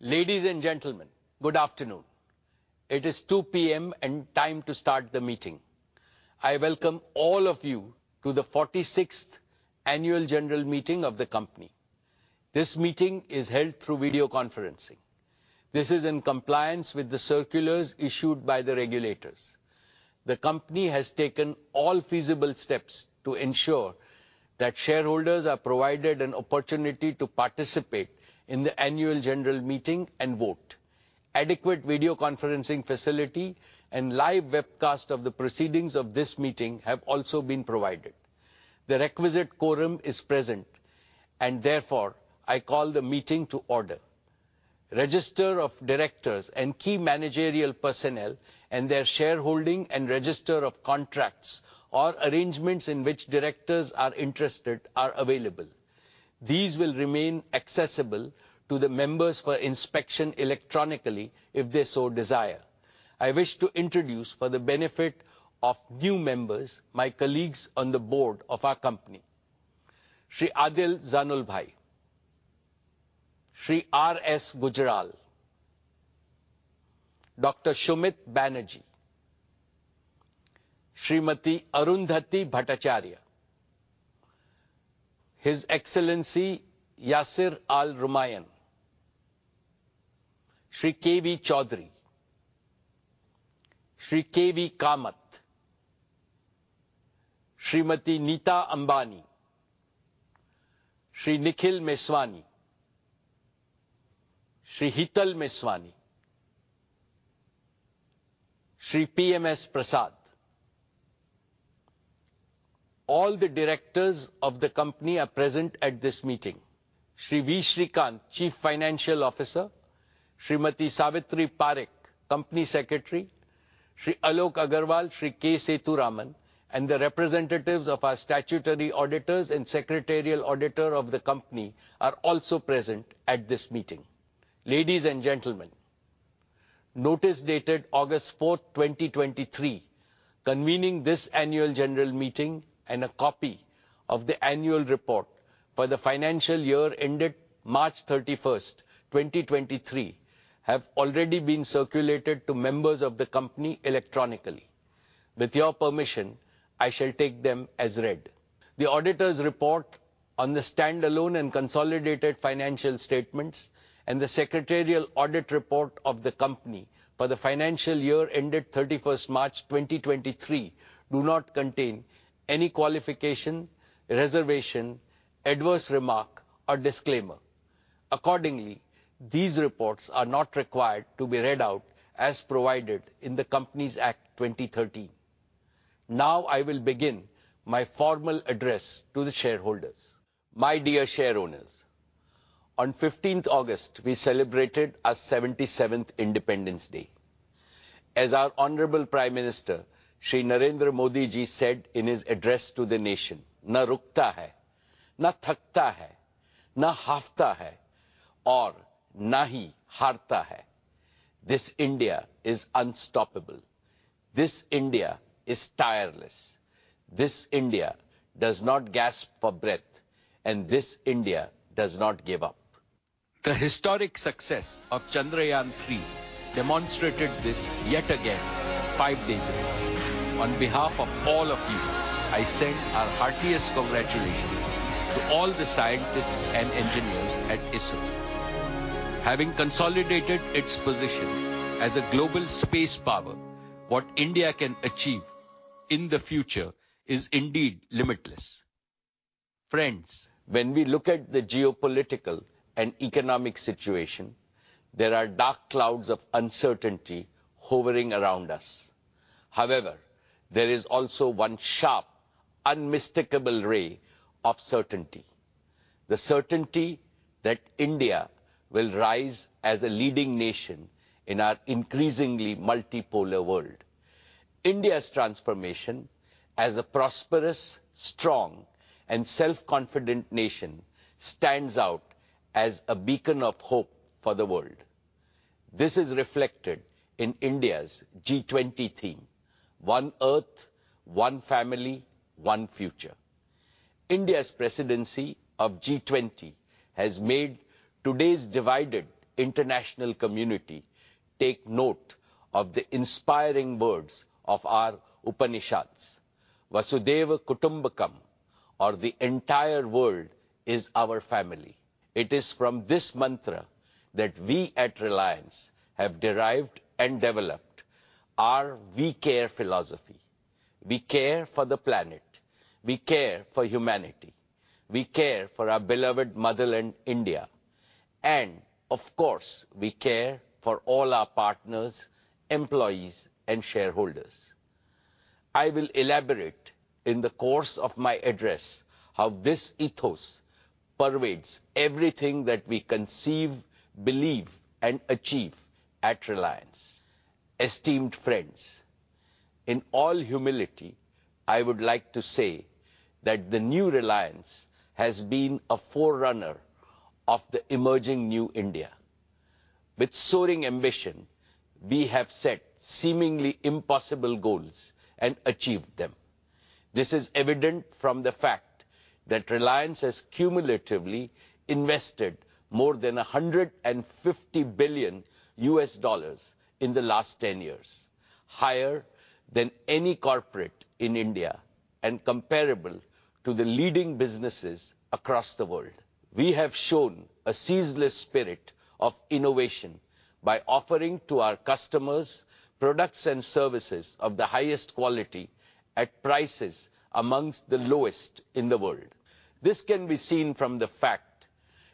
Ladies and gentlemen, good afternoon. It is 2:00 P.M. and time to start the meeting. I welcome all of you to the 46th annual general meeting of the company. This meeting is held through video conferencing. This is in compliance with the circulars issued by the regulators. The company has taken all feasible steps to ensure that shareholders are provided an opportunity to participate in the annual general meeting and vote. Adequate video conferencing facility and live webcast of the proceedings of this meeting have also been provided. The requisite quorum is present, and therefore, I call the meeting to order. Register of directors and key managerial personnel, and their shareholding and register of contracts or arrangements in which directors are interested, are available. These will remain accessible to the members for inspection electronically if they so desire. I wish to introduce, for the benefit of new members, my colleagues on the board of our company. Shri Adil Zainulbhai, Shri R. S. Gujral, Dr. Sumit Banerjee, Srimati Arundhati Bhattacharya, His Excellency Yasir Al-Rumayyan, Shri K. V. Chowdary, Shri K. V. Kamath, Srimati Nita Ambani, Shri Nikhil Meswani, Shri Hital Meswani, Shri P. M. S. Prasad. All the directors of the company are present at this meeting. Shri V. Srikanth, Chief Financial Officer, Srimati Savithri Parekh, Company Secretary, Shri Alok Agarwal, Shri K. Sethuraman, and the representatives of our statutory auditors and secretarial auditor of the company are also present at this meeting. Ladies and gentlemen, notice dated August fourth, 2023, convening this annual general meeting and a copy of the annual report for the financial year ended March thirty-first, 2023, have already been circulated to members of the company electronically. With your permission, I shall take them as read. The auditors' report on the standalone and consolidated financial statements, and the secretarial audit report of the company for the financial year ended 31st March, 2023, do not contain any qualification, reservation, adverse remark, or disclaimer. Accordingly, these reports are not required to be read out as provided in the Companies Act 2013. Now I will begin my formal address to the shareholders. My dear shareowners, on 15th August, we celebrated our 77th Independence Day. As our Honorable Prime Minister, Shri Narendra Modi, said in his address to the nation, "Na rukta hai, na thakta hai, na hafta hai aur nahi haarta hai." This India is unstoppable. This India is tireless. This India does not gasp for breath, and this India does not give up. The historic success of Chandrayaan-3 demonstrated this yet again five days ago. On behalf of all of you, I send our heartiest congratulations to all the scientists and engineers at ISRO. Having consolidated its position as a global space power, what India can achieve in the future is indeed limitless. Friends, when we look at the geopolitical and economic situation, there are dark clouds of uncertainty hovering around us. However, there is also one sharp, unmistakable ray of certainty. The certainty that India will rise as a leading nation in our increasingly multipolar world. India's transformation as a prosperous, strong and self-confident nation stands out as a beacon of hope for the world. This is reflected in India's G20 theme: One Earth, One Family, One Future. India's presidency of G20 has made today's divided international community take note of the inspiring words of our Upanishads: "Vasudhaiva Kutumbakam," or the entire world is our family. It is from this mantra that we at Reliance have derived and developed our We Care philosophy. We Care for the planet, We Care for humanity, We Care for our beloved motherland, India, and of course, We Carefor all our partners, employees, and shareholders. I will elaborate in the course of my address how this ethos pervades everything that we conceive, believe, and achieve at Reliance. Esteemed friends, in all humility, I would like to say that the new Reliance has been a forerunner of the emerging new India. With soaring ambition, we have set seemingly impossible goals and achieved them.... This is evident from the fact that Reliance has cumulatively invested more than $150 billion in the last 10 years, higher than any corporate in India, and comparable to the leading businesses across the world. We have shown a ceaseless spirit of innovation by offering to our customers products and services of the highest quality at prices among the lowest in the world. This can be seen from the fact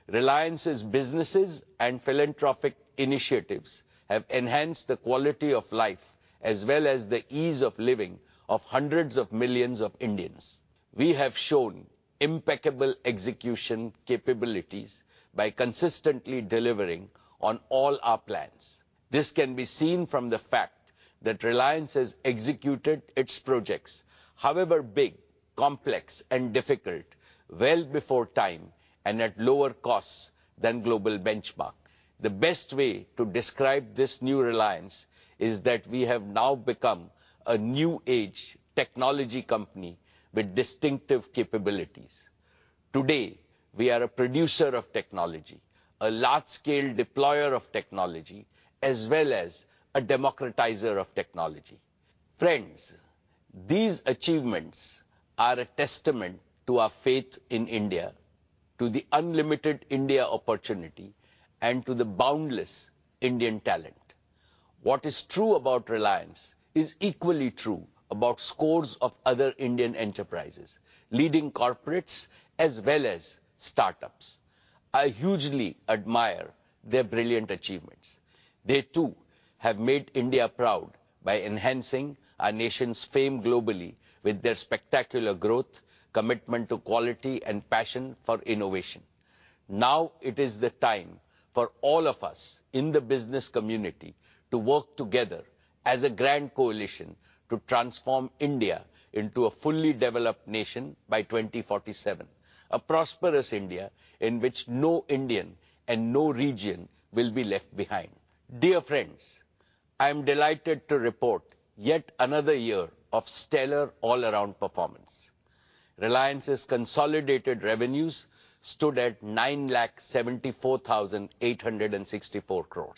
Reliance's businesses and philanthropic initiatives have enhanced the quality of life, as well as the ease of living, of hundreds of millions of Indians. We have shown impeccable execution capabilities by consistently delivering on all our plans. This can be seen from the fact that Reliance has executed its projects, however big, complex and difficult, well before time and at lower costs than global benchmark. The best way to describe this new Reliance is that we have now become a new age technology company with distinctive capabilities. Today, we are a producer of technology, a large-scale deployer of technology, as well as a democratizer of technology. Friends, these achievements are a testament to our faith in India, to the unlimited India opportunity, and to the boundless Indian talent. What is true about Reliance is equally true about scores of other Indian enterprises, leading corporates, as well as startups. I hugely admire their brilliant achievements. They, too, have made India proud by enhancing our nation's fame globally with their spectacular growth, commitment to quality, and passion for innovation. Now it is the time for all of us in the business community to work together as a grand coalition to transform India into a fully developed nation by 2047, a prosperous India in which no Indian and no region will be left behind. Dear friends, I am delighted to report yet another year of stellar all-around performance. Reliance's consolidated revenues stood at 974,864 crore.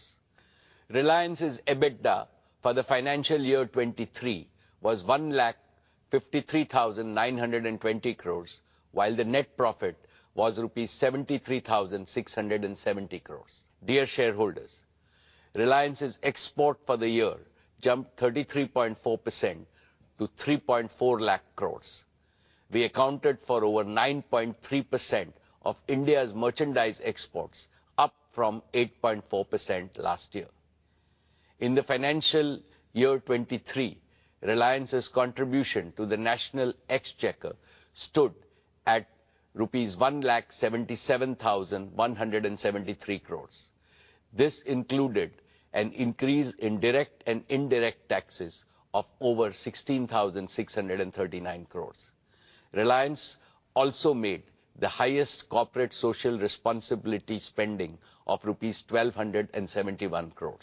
Reliance's EBITDA for the financial year 2023 was 1,53,920 crore, while the net profit was rupees 73,670 crore. Dear shareholders, Reliance's export for the year jumped 33.4% to 3,40,000 crore. We accounted for over 9.3% of India's merchandise exports, up from 8.4% last year. In the financial year 2023, Reliance's contribution to the national exchequer stood at rupees 1,77,173 crore. This included an increase in direct and indirect taxes of over 16,639 crore. Reliance also made the highest corporate social responsibility spending of rupees 1,271 crore.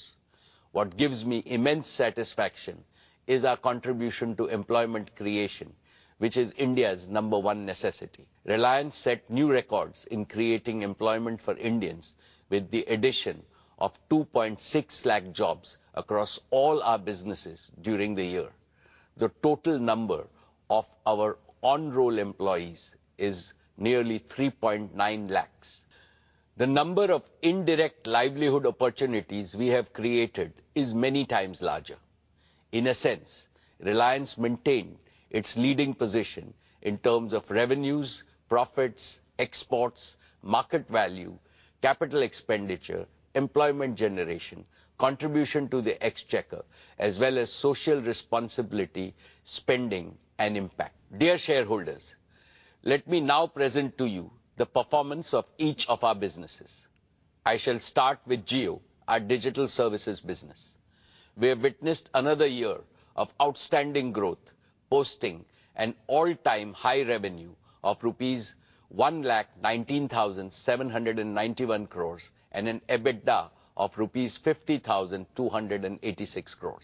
What gives me immense satisfaction is our contribution to employment creation, which is India's number one necessity. Reliance set new records in creating employment for Indians with the addition of 2.6 lakh jobs across all our businesses during the year. The total number of our on-roll employees is nearly 3.9 lakhs. The number of indirect livelihood opportunities we have created is many times larger. In a sense, Reliance maintained its leading position in terms of revenues, profits, exports, market value, capital expenditure, employment generation, contribution to the exchequer, as well as social responsibility, spending, and impact. Dear shareholders, let me now present to you the performance of each of our businesses. I shall start with Jio, our digital services business. We have witnessed another year of outstanding growth, posting an all-time high revenue of rupees 119,791 crore and an EBITDA of rupees 50,286 crore.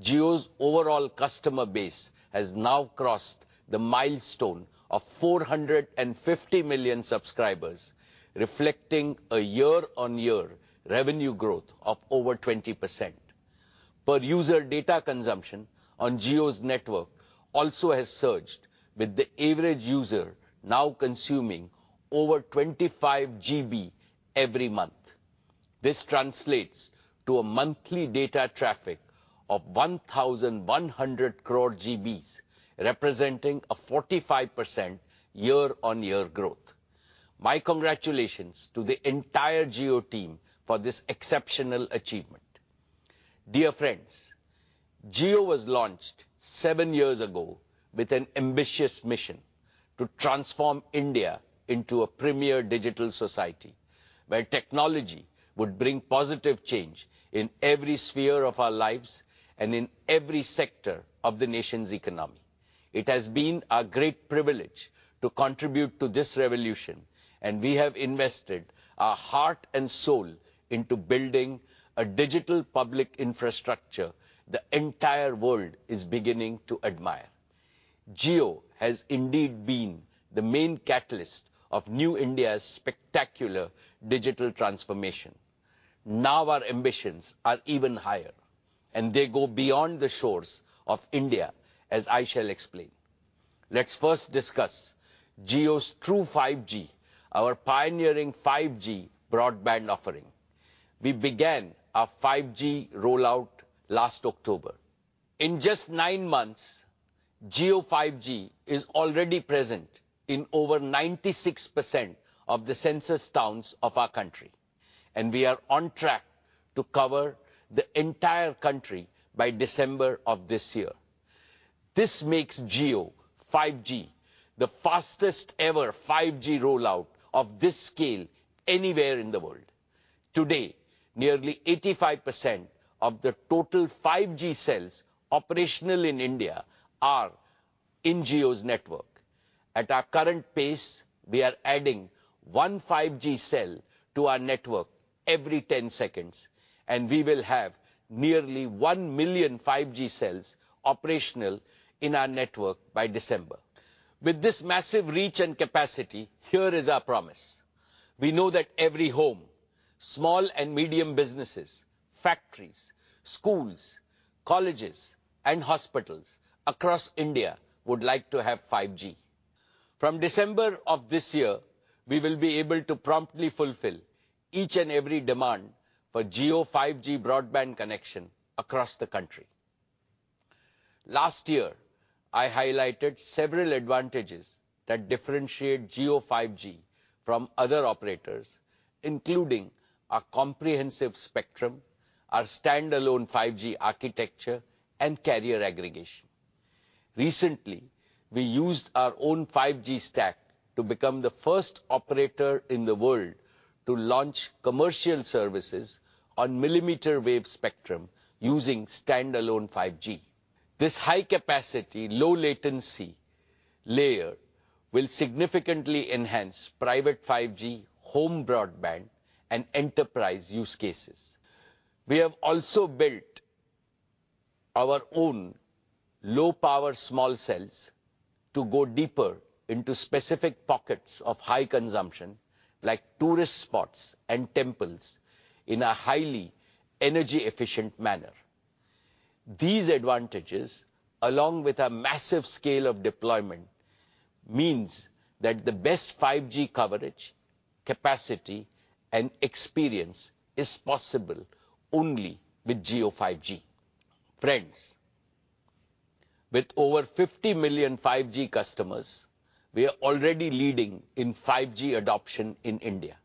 Jio's overall customer base has now crossed the milestone of 450 million subscribers, reflecting a year-on-year revenue growth of over 20%. Per user data consumption on Jio's network also has surged, with the average user now consuming over 25 GB every month. This translates to a monthly data traffic of 1,100 crore GBs, representing a 45% year-on-year growth. My congratulations to the entire Jio team for this exceptional achievement. Dear friends, Jio was launched seven years ago with an ambitious mission: to transform India into a premier digital society, where technology would bring positive change in every sphere of our lives and in every sector of the nation's economy. It has been a great privilege to contribute to this revolution, and we have invested our heart and soul into building a digital public infrastructure the entire world is beginning to admire.... Jio has indeed been the main catalyst of New India's spectacular digital transformation. Now, our ambitions are even higher, and they go beyond the shores of India, as I shall explain. Let's first discuss Jio's True 5G, our pioneering 5G broadband offering. We began our 5G rollout last October. In just 9 months, Jio 5G is already present in over 96% of the census towns of our country, and we are on track to cover the entire country by December of this year. This makes Jio 5G the fastest ever 5G rollout of this scale anywhere in the world. Today, nearly 85% of the total 5G cells operational in India are in Jio's network. At our current pace, we are adding one 5G cell to our network every 10 seconds, and we will have nearly 1 million 5G cells operational in our network by December. With this massive reach and capacity, here is our promise: We know that every home, small and medium businesses, factories, schools, colleges, and hospitals across India would like to have 5G. From December of this year, we will be able to promptly fulfill each and every demand for Jio 5G broadband connection across the country. Last year, I highlighted several advantages that differentiate Jio 5G from other operators, including our comprehensive spectrum, our standalone 5G architecture, and carrier aggregation. Recently, we used our own 5G stack to become the first operator in the world to launch commercial services on millimeter wave spectrum using standalone 5G. This high capacity, low latency layer will significantly enhance private 5G home broadband and enterprise use cases. We have also built our own low-power small cells to go deeper into specific pockets of high consumption, like tourist spots and temples, in a highly energy-efficient manner. These advantages, along with a massive scale of deployment, means that the best 5G coverage, capacity, and experience is possible only with Jio 5G. Friends, with over 50 million 5G customers, we are already leading in 5G adoption in India,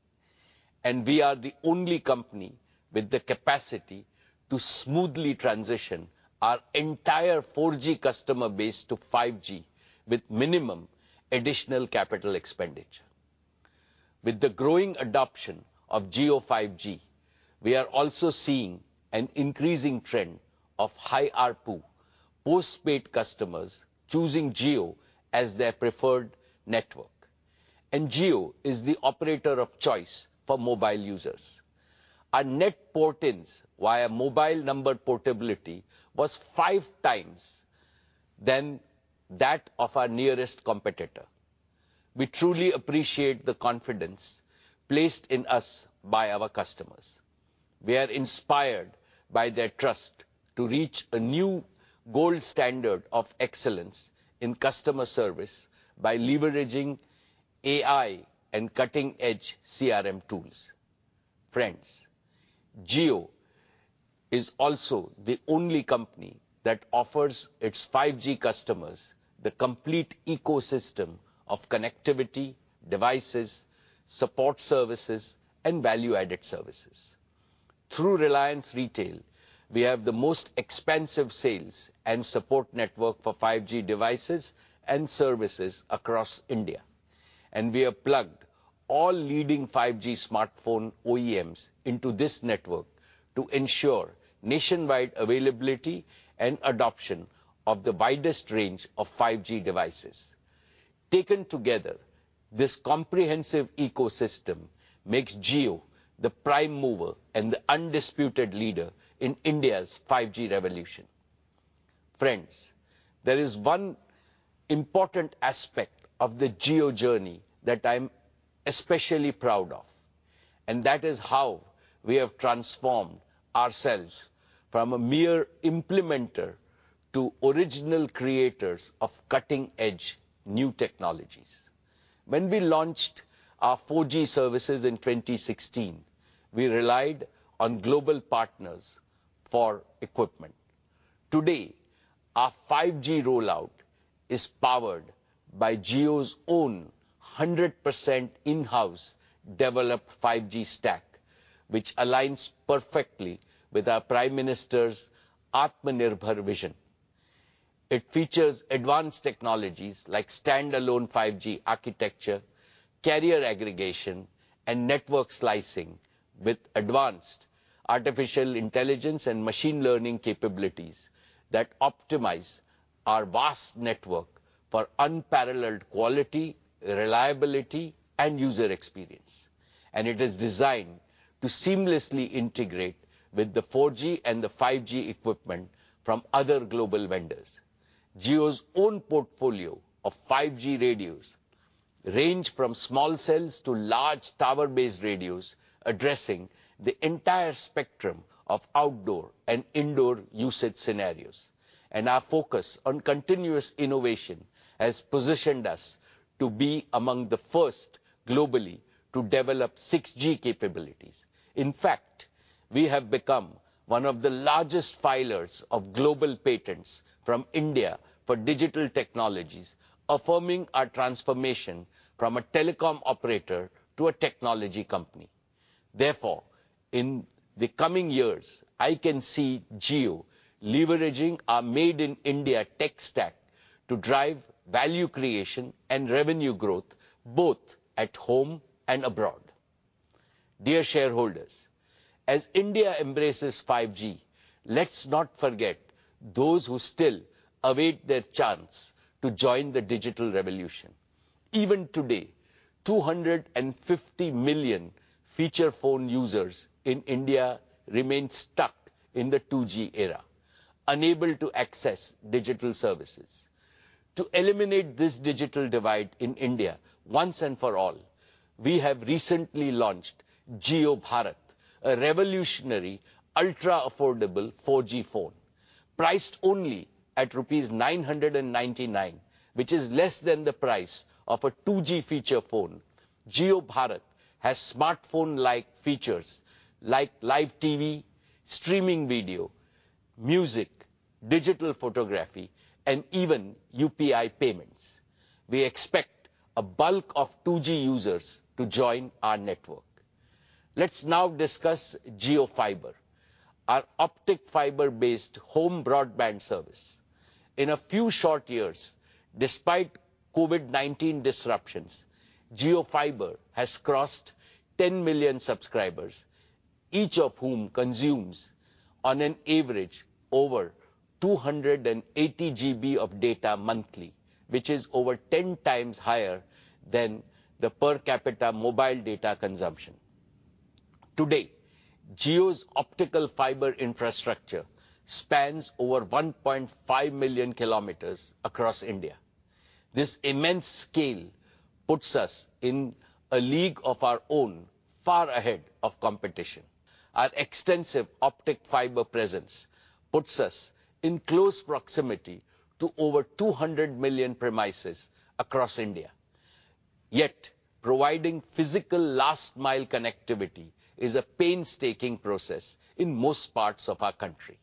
and we are the only company with the capacity to smoothly transition our entire 4G customer base to 5G with minimum additional capital expenditure. With the growing adoption of Jio 5G, we are also seeing an increasing trend of high ARPU postpaid customers choosing Jio as their preferred network. Jio is the operator of choice for mobile users. Our net port-ins via mobile number portability was 5x than that of our nearest competitor. We truly appreciate the confidence placed in us by our customers. We are inspired by their trust to reach a new gold standard of excellence in customer service by leveraging AI and cutting-edge CRM tools. Friends, Jio is also the only company that offers its 5G customers the complete ecosystem of connectivity, devices, support services, and value-added services. Through Reliance Retail, we have the most expansive sales and support network for 5G devices and services across India, and we have plugged all leading 5G smartphone OEMs into this network to ensure nationwide availability and adoption of the widest range of 5G devices. Taken together, this comprehensive ecosystem makes Jio the prime mover and the undisputed leader in India's 5G revolution. Friends, there is one important aspect of the Jio journey that I'm especially proud of, and that is how we have transformed ourselves from a mere implementer to original creators of cutting-edge new technologies. When we launched our 4G services in 2016, we relied on global partners for equipment. Today, our 5G rollout is powered by Jio's own 100% in-house developed 5G stack, which aligns perfectly with our Prime Minister's Atmanirbhar vision. It features advanced technologies like standalone 5G architecture, carrier aggregation, and network slicing, with advanced artificial intelligence and machine learning capabilities that optimize our vast network for unparalleled quality, reliability, and user experience, and it is designed to seamlessly integrate with the 4G and the 5G equipment from other global vendors. Jio's own portfolio of 5G radios range from small cells to large tower-based radios, addressing the entire spectrum of outdoor and indoor usage scenarios. And our focus on continuous innovation has positioned us to be among the first globally to develop 6G capabilities. In fact, we have become one of the largest filers of global patents from India for digital technologies, affirming our transformation from a telecom operator to a technology company. Therefore, in the coming years, I can see Jio leveraging our Made in India tech stack to drive value creation and revenue growth, both at home and abroad. Dear shareholders, as India embraces 5G, let's not forget those who still await their chance to join the digital revolution. Even today, 250 million feature phone users in India remain stuck in the 2G era, unable to access digital services. To eliminate this digital divide in India once and for all, we have recently launched Jio Bharat, a revolutionary, ultra-affordable 4G phone. Priced only at rupees 999, which is less than the price of a 2G feature phone, Jio Bharat has smartphone-like features like live TV, streaming video, music, digital photography, and even UPI payments. We expect a bulk of 2G users to join our network. Let's now discuss Jio Fiber, our optic fiber-based home broadband service. In a few short years, despite COVID-19 disruptions, Jio Fiber has crossed 10 million subscribers, each of whom consumes on an average over 280 GB of data monthly, which is over 10x higher than the per capita mobile data consumption. Today, Jio's optical fiber infrastructure spans over 1.5 million kilometers across India. This immense scale puts us in a league of our own, far ahead of competition. Our extensive optic fiber presence puts us in close proximity to over 200 million premises across India. Yet, providing physical last-mile connectivity is a painstaking process in most parts of our country.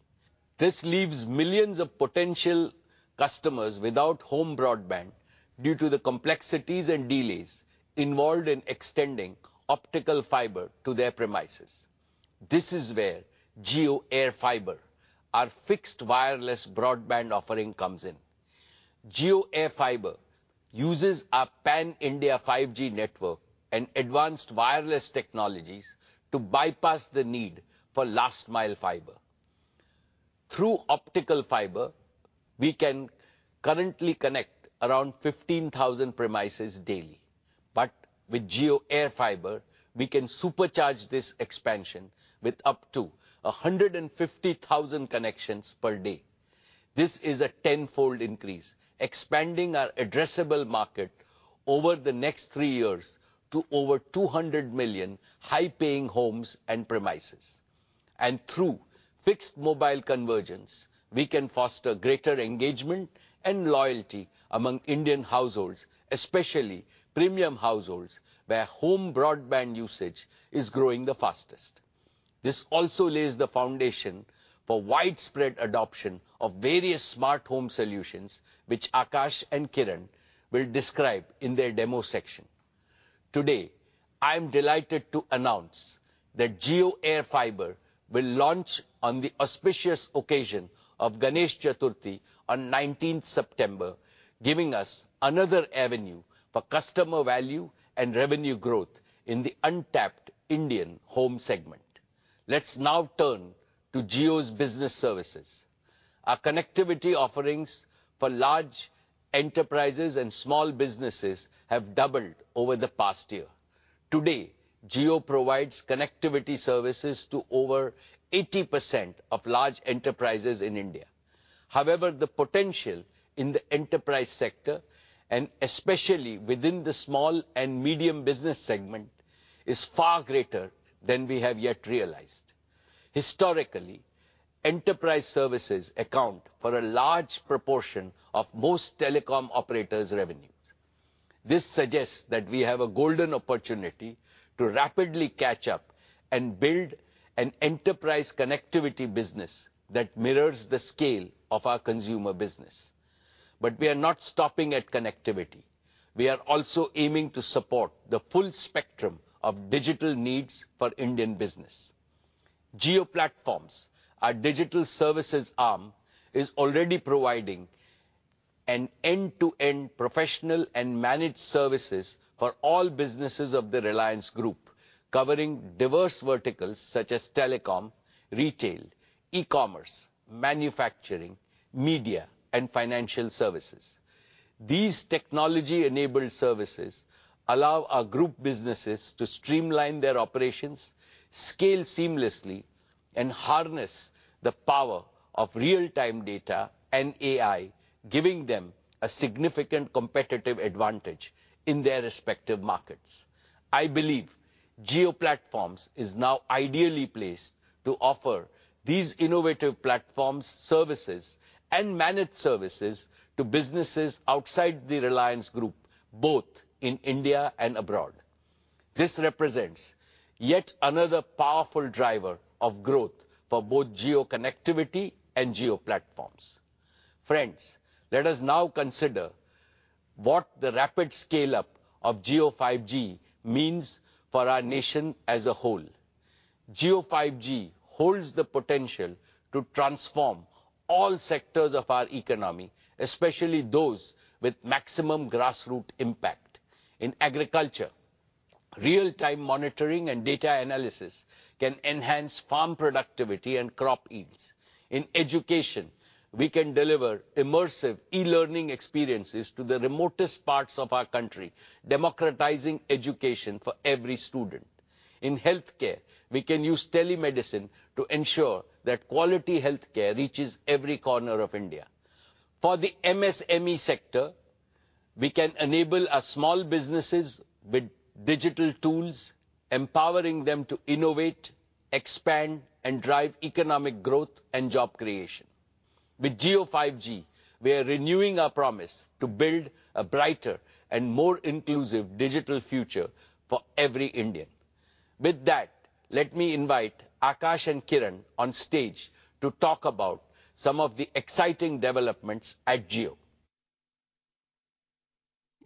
This leaves millions of potential customers without home broadband due to the complexities and delays involved in extending optical fiber to their premises. This is where JioAirFiber, our fixed wireless broadband offering, comes in. JioAirFiber uses our pan-India 5G network and advanced wireless technologies to bypass the need for last-mile fiber. Through optical fiber, we can currently connect around 15,000 premises daily, but with JioAirFiber, we can supercharge this expansion with up to 150,000 connections per day. This is a tenfold increase, expanding our addressable market over the next three years to over 200 million high-paying homes and premises. And through fixed mobile convergence, we can foster greater engagement and loyalty among Indian households, especially premium households, where home broadband usage is growing the fastest. This also lays the foundation for widespread adoption of various smart home solutions, which Akash and Kiran will describe in their demo section. Today, I'm delighted to announce that JioAirFiber will launch on the auspicious occasion of Ganesh Chaturthi on 19 September, giving us another avenue for customer value and revenue growth in the untapped Indian home segment. Let's now turn to Jio's business services. Our connectivity offerings for large enterprises and small businesses have doubled over the past year. Today, Jio provides connectivity services to over 80% of large enterprises in India. However, the potential in the enterprise sector, and especially within the small and medium business segment, is far greater than we have yet realized. Historically, enterprise services account for a large proportion of most telecom operators' revenues. This suggests that we have a golden opportunity to rapidly catch up and build an enterprise connectivity business that mirrors the scale of our consumer business. But we are not stopping at connectivity. We are also aiming to support the full spectrum of digital needs for Indian business. Jio Platforms, our digital services arm, is already providing an end-to-end professional and managed services for all businesses of the Reliance group, covering diverse verticals such as telecom, retail, e-commerce, manufacturing, media, and financial services. These technology-enabled services allow our group businesses to streamline their operations, scale seamlessly, and harness the power of real-time data and AI, giving them a significant competitive advantage in their respective markets. I believe Jio Platforms is now ideally placed to offer these innovative platforms, services, and managed services to businesses outside the Reliance group, both in India and abroad. This represents yet another powerful driver of growth for both Jio connectivity and Jio Platforms. Friends, let us now consider what the rapid scale-up of Jio 5G means for our nation as a whole. Jio 5G holds the potential to transform all sectors of our economy, especially those with maximum grassroots impact. In agriculture, real-time monitoring and data analysis can enhance farm productivity and crop yields. In education, we can deliver immersive e-learning experiences to the remotest parts of our country, democratizing education for every student. In healthcare, we can use telemedicine to ensure that quality healthcare reaches every corner of India. For the MSME sector, we can enable our small businesses with digital tools, empowering them to innovate, expand, and drive economic growth and job creation. With Jio 5G, we are renewing our promise to build a brighter and more inclusive digital future for every Indian. With that, let me invite Akash and Kiran on stage to talk about some of the exciting developments at Jio.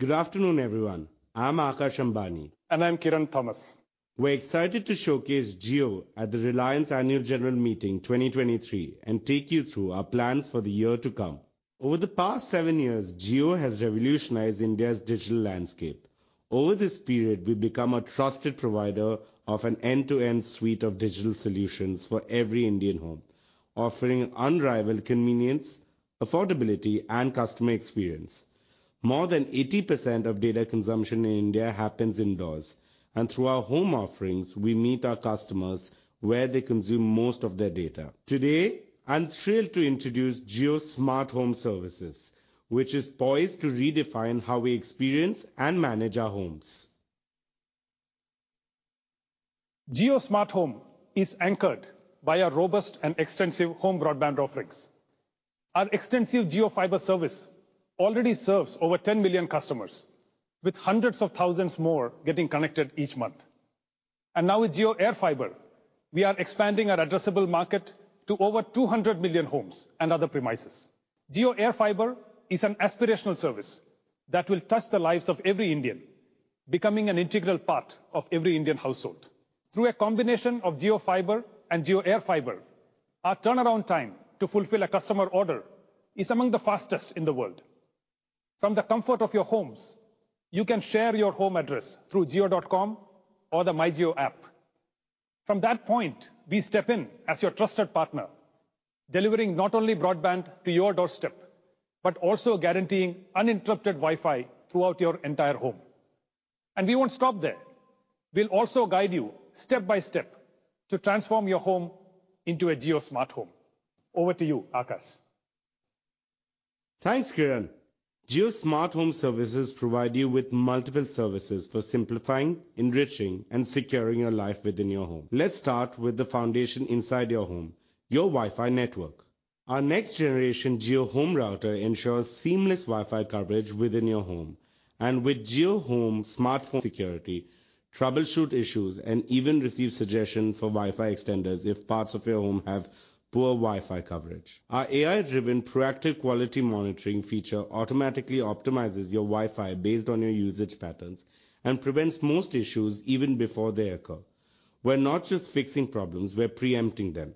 Good afternoon, everyone. I'm Akash Ambani. I'm Kiran Thomas. We're excited to showcase Jio at the Reliance Annual General Meeting 2023, and take you through our plans for the year to come. Over the past seven years, Jio has revolutionized India's digital landscape. Over this period, we've become a trusted provider of an end-to-end suite of digital solutions for every Indian home, offering unrivaled convenience, affordability, and customer experience. More than 80% of data consumption in India happens indoors, and through our home offerings, we meet our customers where they consume most of their data. Today, I'm thrilled to introduce Jio Smart Home Services, which is poised to redefine how we experience and manage our homes. Jio Smart Home is anchored by our robust and extensive home broadband offerings. Our extensive Jio Fiber service already serves over 10 million customers, with hundreds of thousands more getting connected each month. Now with JioAirFiber, we are expanding our addressable market to over 200 million homes and other premises. JioAirFiber is an aspirational service that will touch the lives of every Indian, becoming an integral part of every Indian household. Through a combination of Jio Fiber and JioAirFiber, our turnaround time to fulfill a customer order is among the fastest in the world. From the comfort of your homes, you can share your home address through jio.com or the myJio app. From that point, we step in as your trusted partner, delivering not only broadband to your doorstep, but also guaranteeing uninterrupted Wi-Fi throughout your entire home. And we won't stop there. We'll also guide you step by step to transform your home into a Jio Smart Home. Over to you, Akash. Thanks, Kiran. Jio Smart Home Services provide you with multiple services for simplifying, enriching, and securing your life within your home. Let's start with the foundation inside your home, your Wi-Fi network. Our next-generation Jio Home router ensures seamless Wi-Fi coverage within your home, and with JioHome Smart Home security, troubleshoot issues, and even receive suggestions for Wi-Fi extenders if parts of your home have poor Wi-Fi coverage. Our AI-driven, proactive quality monitoring feature automatically optimizes your Wi-Fi based on your usage patterns and prevents most issues even before they occur. We're not just fixing problems, we're preempting them.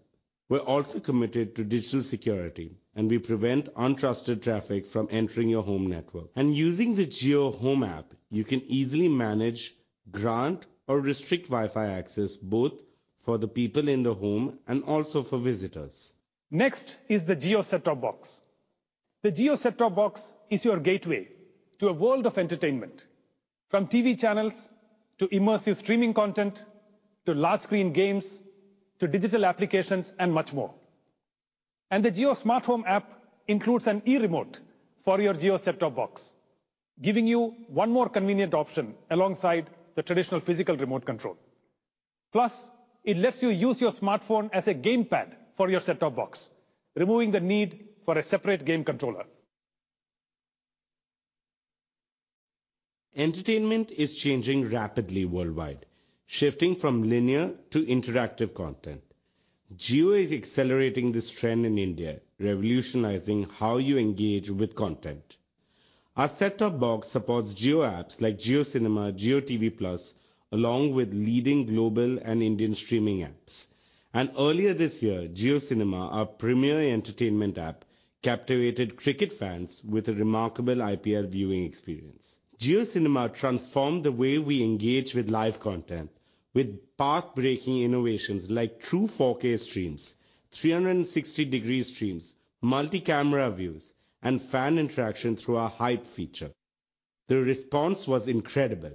We're also committed to digital security, and we prevent untrusted traffic from entering your home network. And using the JioHome app, you can easily manage, grant, or restrict Wi-Fi access, both for the people in the home and also for visitors. Next is the Jio set-top box. The Jio set-top box is your gateway to a world of entertainment, from TV channels, to immersive streaming content, to large-screen games, to digital applications, and much more. The Jio Smart Home app includes an e-remote for your Jio set-top box, giving you one more convenient option alongside the traditional physical remote control. Plus, it lets you use your smartphone as a gamepad for your set-top box, removing the need for a separate game controller. Entertainment is changing rapidly worldwide, shifting from linear to interactive content. Jio is accelerating this trend in India, revolutionizing how you engage with content. Our set-top box supports Jio apps like JioCinema, JioTV Plus, along with leading global and Indian streaming apps. Earlier this year, JioCinema, our premier entertainment app, captivated cricket fans with a remarkable IPL viewing experience. JioCinema transformed the way we engage with live content, with path-breaking innovations like true 4K streams, 360-degree streams, multi-camera views, and fan interaction through our Hype feature. The response was incredible,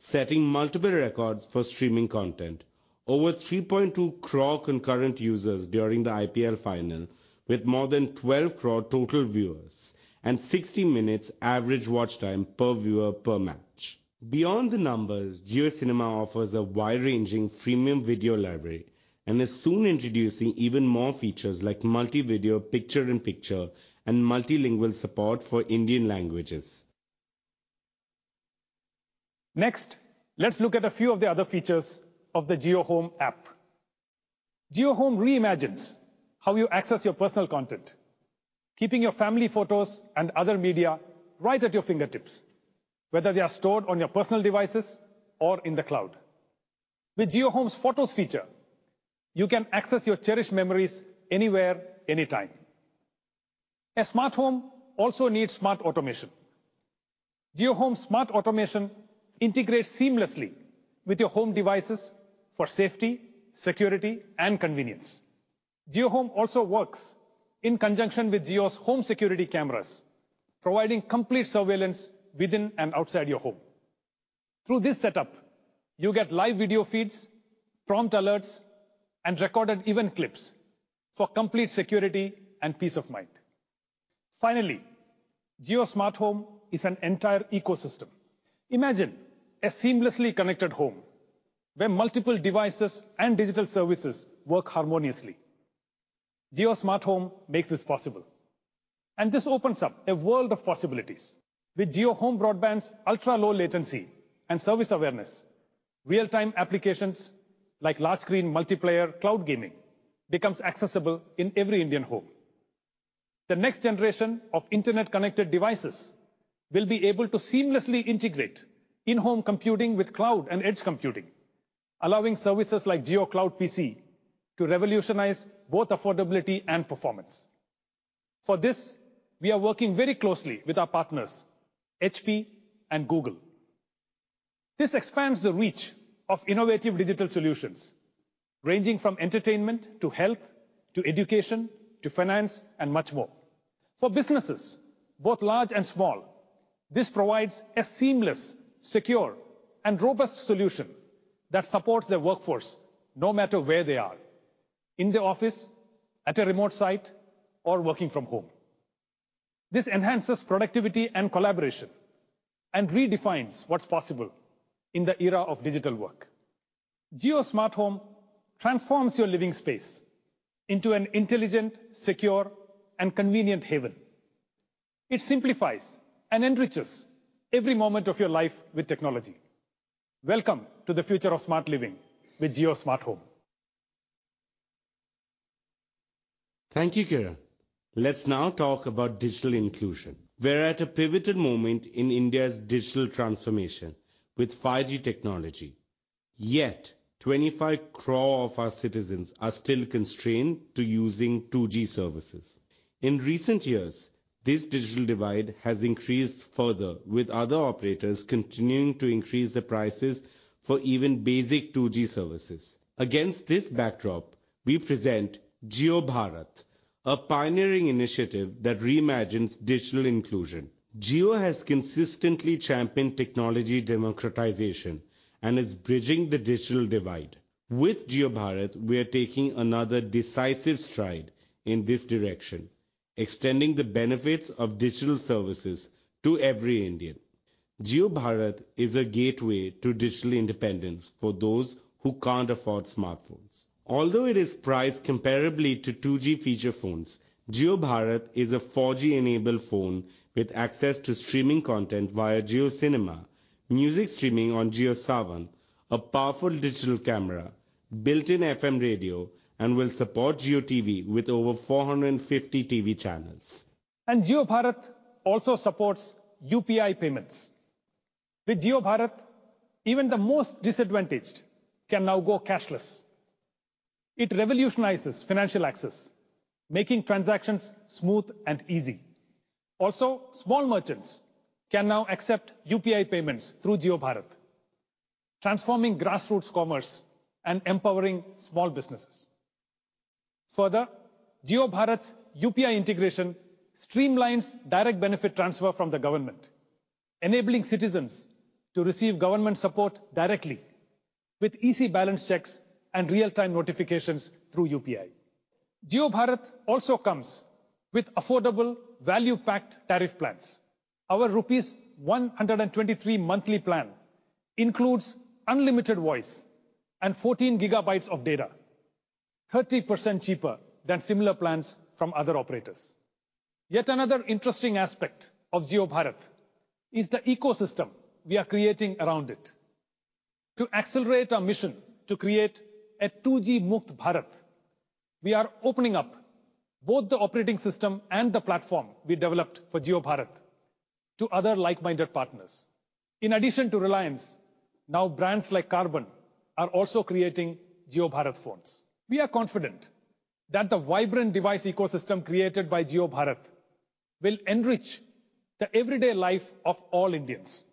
setting multiple records for streaming content. Over 3.2 crore concurrent users during the IPL final, with more than 12 crore total viewers, and 60 minutes average watch time per viewer per match. Beyond the numbers, JioCinema offers a wide-ranging freemium video library and is soon introducing even more features like multi-video, picture-in-picture, and multilingual support for Indian languages. Next, let's look at a few of the other features of the JioHome app. JioHome reimagines how you access your personal content, keeping your family photos and other media right at your fingertips, whether they are stored on your personal devices or in the cloud. With JioHome's Photos feature, you can access your cherished memories anywhere, anytime. A smart home also needs smart automation. JioHome Smart Automation integrates seamlessly with your home devices for safety, security, and convenience. JioHome also works in conjunction with Jio's home security cameras, providing complete surveillance within and outside your home. Through this setup, you get live video feeds, prompt alerts, and recorded event clips for complete security and peace of mind. Finally, Jio Smart Home is an entire ecosystem. Imagine a seamlessly connected home where multiple devices and digital services work harmoniously. Jio Smart Home makes this possible, and this opens up a world of possibilities. With JioHome Broadband's ultra-low latency and service awareness, real-time applications like large screen multiplayer cloud gaming becomes accessible in every Indian home. The next generation of internet-connected devices will be able to seamlessly integrate in-home computing with cloud and edge computing, allowing services like JioCloud PC to revolutionize both affordability and performance. For this, we are working very closely with our partners, HP and Google. This expands the reach of innovative digital solutions, ranging from entertainment, to health, to education, to finance, and much more. For businesses, both large and small, this provides a seamless, secure, and robust solution that supports their workforce no matter where they are, in the office, at a remote site, or working from home. This enhances productivity and collaboration and redefines what's possible in the era of digital work. Jio Smart Home transforms your living space into an intelligent, secure, and convenient haven. It simplifies and enriches every moment of your life with technology. Welcome to the future of smart living with Jio Smart Home. Thank you, Kiran. Let's now talk about digital inclusion. We're at a pivotal moment in India's digital transformation with 5G technology, yet 25 crore of our citizens are still constrained to using 2G services. In recent years, this digital divide has increased further, with other operators continuing to increase the prices for even basic 2G services. Against this backdrop, we present Jio Bharat, a pioneering initiative that reimagines digital inclusion. Jio has consistently championed technology democratization and is bridging the digital divide. With Jio Bharat, we are taking another decisive stride in this direction, extending the benefits of digital services to every Indian. Jio Bharat is a gateway to digital independence for those who can't afford smartphones. Although it is priced comparably to 2G feature phones, Jio Bharat is a 4G-enabled phone with access to streaming content via JioCinema, music streaming on JioSaavn, a powerful digital camera, built-in FM radio and will support JioTV with over 450 TV channels. Jio Bharat also supports UPI payments. With Jio Bharat, even the most disadvantaged can now go cashless. It revolutionizes financial access, making transactions smooth and easy. Also, small merchants can now accept UPI payments through Jio Bharat, transforming grassroots commerce and empowering small businesses. Further, Jio Bharat's UPI integration streamlines direct benefit transfer from the government, enabling citizens to receive government support directly with easy balance checks and real-time notifications through UPI. Jio Bharat also comes with affordable, value-packed tariff plans. Our rupees 123 monthly plan includes unlimited voice and 14 GB of data, 30% cheaper than similar plans from other operators. Yet another interesting aspect of Jio Bharat is the ecosystem we are creating around it. To accelerate our mission to create a 2G Mukt Bharat, we are opening up both the operating system and the platform we developed for Jio Bharat to other like-minded partners. In addition to Reliance, now brands like Karbonn are also creating Jio Bharat phones. We are confident that the vibrant device ecosystem created by Jio Bharat will enrich the everyday life of all Indians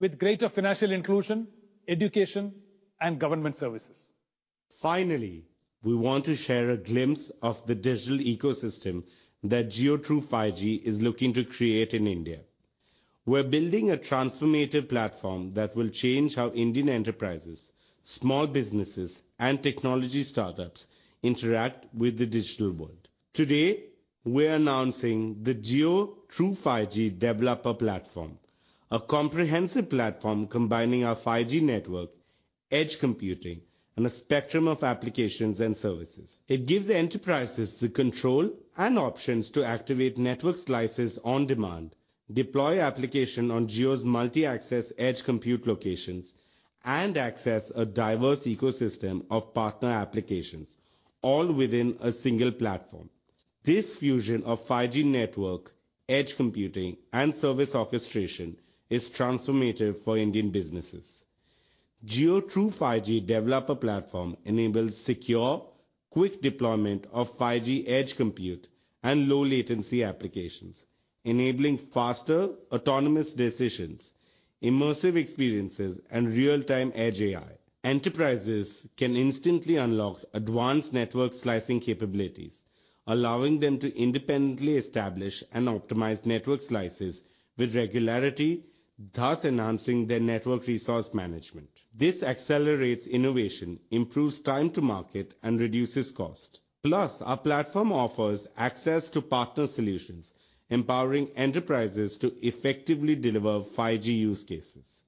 with greater financial inclusion, education, and government services. Finally, we want to share a glimpse of the digital ecosystem that Jio True 5G is looking to create in India. We're building a transformative platform that will change how Indian enterprises, small businesses, and technology startups interact with the digital world. Today, we're announcing the Jio True 5G Developer Platform, a comprehensive platform combining our 5G network, edge computing, and a spectrum of applications and services. It gives enterprises the control and options to activate network slices on demand, deploy application on Jio's Multi-Access Edge Compute locations, and access a diverse ecosystem of partner applications, all within a single platform. This fusion of 5G network, edge computing, and service orchestration is transformative for Indian businesses. Jio True 5G Developer Platform enables secure, quick deployment of 5G edge compute and low-latency applications, enabling faster, autonomous decisions, immersive experiences, and real-time edge AI. Enterprises can instantly unlock advanced network slicing capabilities, allowing them to independently establish and optimize network slices with regularity, thus enhancing their network resource management. This accelerates innovation, improves time to market, and reduces cost. Plus, our platform offers access to partner solutions, empowering enterprises to effectively deliver 5G use cases.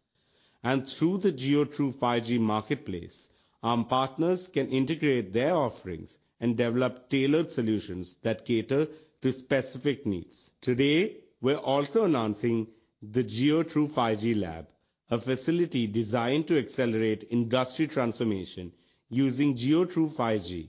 Through the Jio True 5G marketplace, our partners can integrate their offerings and develop tailored solutions that cater to specific needs. Today, we're also announcing the Jio True 5G Lab, a facility designed to accelerate industry transformation using Jio True 5G.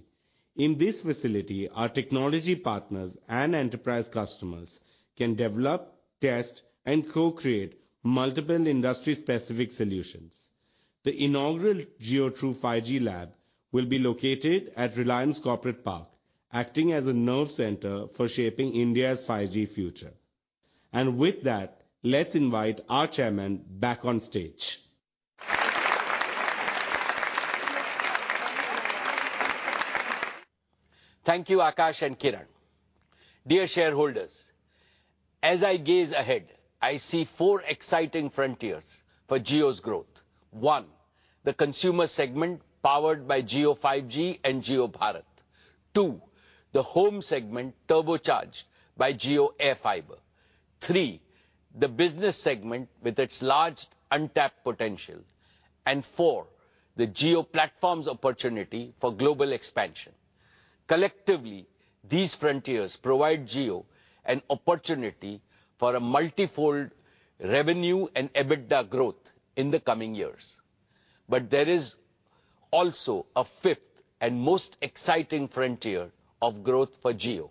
In this facility, our technology partners and enterprise customers can develop, test, and co-create multiple industry-specific solutions. The inaugural Jio True 5G Lab will be located at Reliance Corporate Park, acting as a nerve center for shaping India's 5G future. With that, let's invite our chairman back on stage. Thank you, Akash and Kiran. Dear shareholders, as I gaze ahead, I see four exciting frontiers for Jio's growth. One, the consumer segment, powered by Jio 5G and Jio Bharat. Two, the home segment, turbocharged by JioAirFiber. Three, the business segment with its large untapped potential. And four, the Jio Platforms opportunity for global expansion. Collectively, these frontiers provide Jio an opportunity for a multifold revenue and EBITDA growth in the coming years. But there is also a fifth and most exciting frontier of growth for Jio.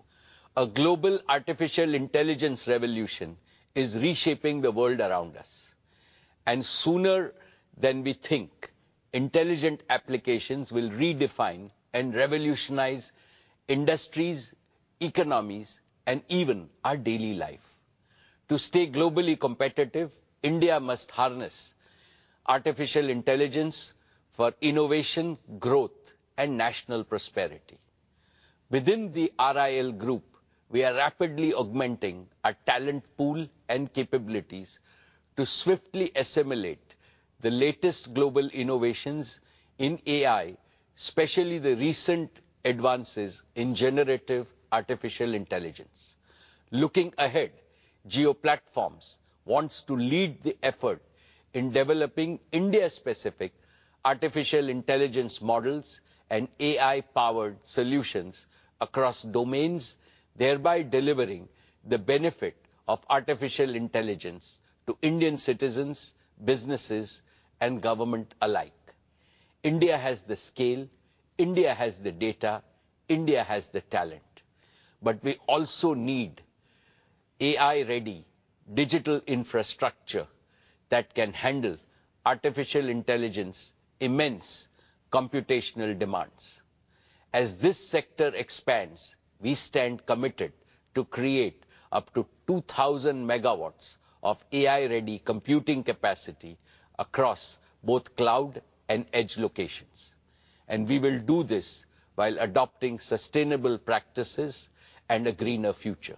A global artificial intelligence revolution is reshaping the world around us, and sooner than we think, intelligent applications will redefine and revolutionize industries, economies, and even our daily life. To stay globally competitive, India must harness artificial intelligence for innovation, growth, and national prosperity. Within the RIL Group, we are rapidly augmenting our talent pool and capabilities to swiftly assimilate the latest global innovations in AI, especially the recent advances in generative artificial intelligence. Looking ahead, Jio Platforms wants to lead the effort in developing India-specific artificial intelligence models and AI-powered solutions across domains, thereby delivering the benefit of artificial intelligence to Indian citizens, businesses, and government alike. India has the scale, India has the data, India has the talent, but we also need AI-ready digital infrastructure that can handle artificial intelligence's immense computational demands. As this sector expands, we stand committed to create up to 2,000 megawatts of AI-ready computing capacity across both cloud and edge locations, and we will do this while adopting sustainable practices and a greener future.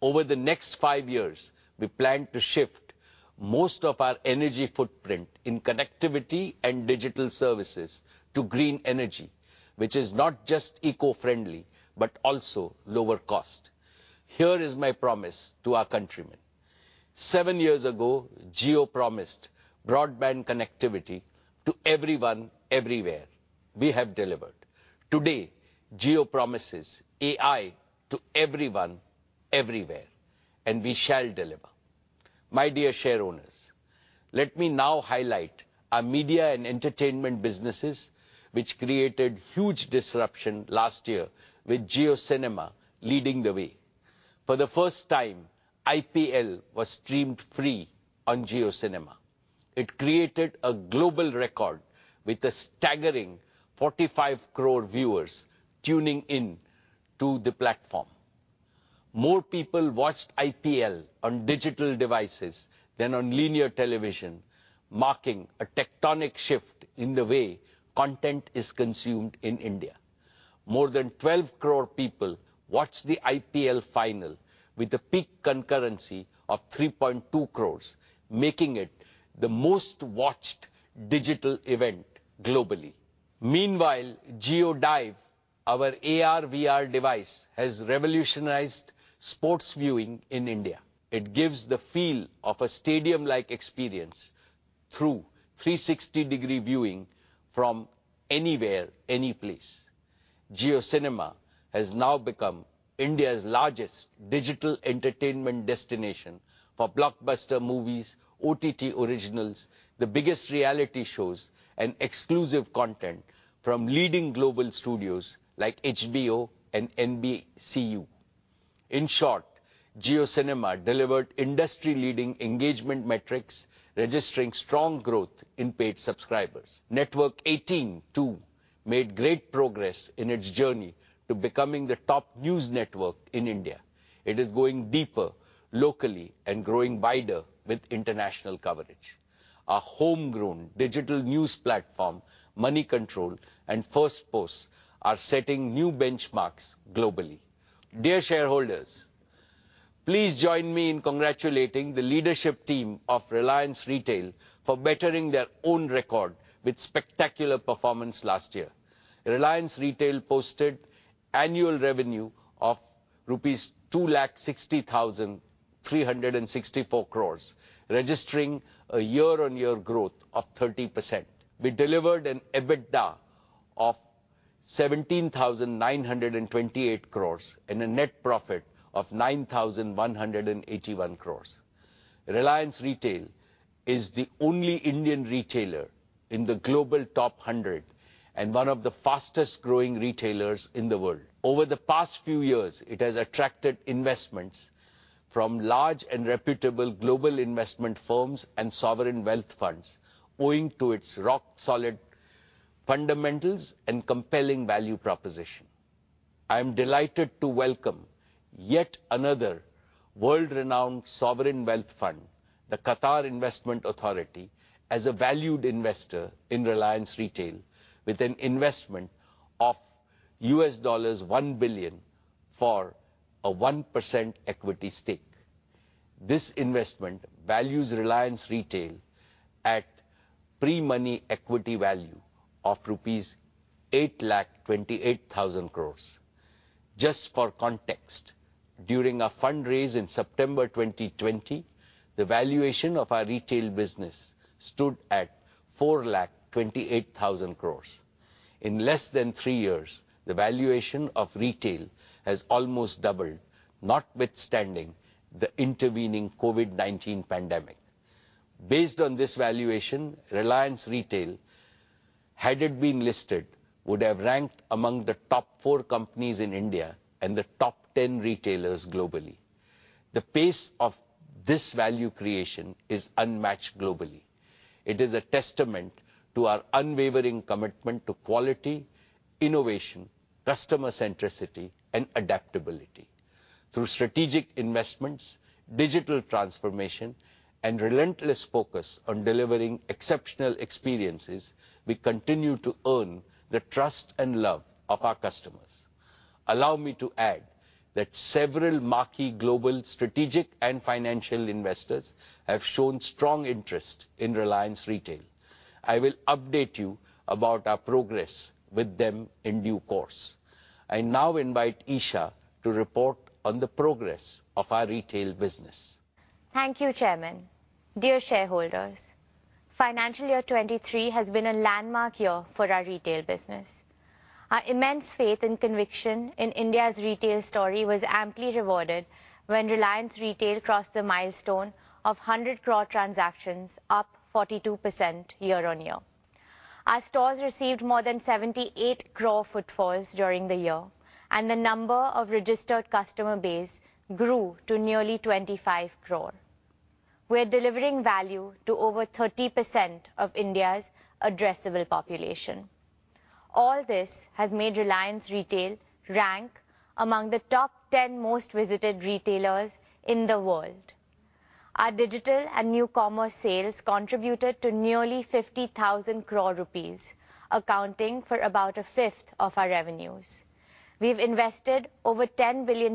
Over the next five years, we plan to shift most of our energy footprint in connectivity and digital services to green energy, which is not just eco-friendly, but also lower cost. Here is my promise to our countrymen. Seven years ago, Jio promised broadband connectivity to everyone, everywhere. We have delivered. Today, Jio promises AI to everyone, everywhere, and we shall deliver. My dear shareowners, let me now highlight our media and entertainment businesses, which created huge disruption last year with JioCinema leading the way. For the first time, IPL was streamed free on JioCinema. It created a global record with a staggering 45 crore viewers tuning in to the platform. More people watched IPL on digital devices than on linear television, marking a tectonic shift in the way content is consumed in India. More than 12 crore people watched the IPL final with a peak concurrency of 3.2 crores, making it the most watched digital event globally. Meanwhile, JioDive, our AR/VR device, has revolutionized sports viewing in India. It gives the feel of a stadium-like experience through 360-degree viewing from anywhere, any place. JioCinema has now become India's largest digital entertainment destination for blockbuster movies, OTT originals, the biggest reality shows, and exclusive content from leading global studios like HBO and NBCU. In short, JioCinema delivered industry-leading engagement metrics, registering strong growth in paid subscribers. Network18, too, made great progress in its journey to becoming the top news network in India. It is going deeper locally and growing wider with international coverage. Our homegrown digital news platform, Moneycontrol and Firstpost, are setting new benchmarks globally. Dear shareholders, please join me in congratulating the leadership team of Reliance Retail for bettering their own record with spectacular performance last year. Reliance Retail posted annual revenue of rupees 260,364 crore, registering a year-on-year growth of 30%. We delivered an EBITDA of 17,928 crore and a net profit of 9,181 crore. Reliance Retail is the only Indian retailer in the Global Top 100 and one of the fastest growing retailers in the world. Over the past few years, it has attracted investments from large and reputable global investment firms and sovereign wealth funds, owing to its rock-solid fundamentals and compelling value proposition. I am delighted to welcome yet another world-renowned sovereign wealth fund, the Qatar Investment Authority, as a valued investor in Reliance Retail, with an investment of $1 billion for a 1% equity stake. This investment values Reliance Retail at pre-money equity value of rupees 828,000 crore. Just for context, during a fundraise in September 2020, the valuation of our retail business stood at 428,000 crore. In less than three years, the valuation of retail has almost doubled, notwithstanding the intervening COVID-19 pandemic. Based on this valuation, Reliance Retail, had it been listed, would have ranked among the top four companies in India and the top 10 retailers globally. The pace of this value creation is unmatched globally. It is a testament to our unwavering commitment to quality, innovation, customer centricity, and adaptability. Through strategic investments, digital transformation, and relentless focus on delivering exceptional experiences, we continue to earn the trust and love of our customers. Allow me to add that several marquee global strategic and financial investors have shown strong interest in Reliance Retail. I will update you about our progress with them in due course. I now invite Isha to report on the progress of our retail business. Thank you, Chairman. Dear shareholders, financial year 2023 has been a landmark year for our retail business. Our immense faith and conviction in India's retail story was amply rewarded when Reliance Retail crossed the milestone of 100 crore transactions, up 42% year-on-year. Our stores received more than 78 crore footfalls during the year, and the number of registered customer base grew to nearly 25 crore. We're delivering value to over 30% of India's addressable population. All this has made Reliance Retail rank among the top 10 most visited retailers in the world. Our digital and new commerce sales contributed to nearly 50,000 crore rupees, accounting for about a fifth of our revenues. We've invested over $10 billion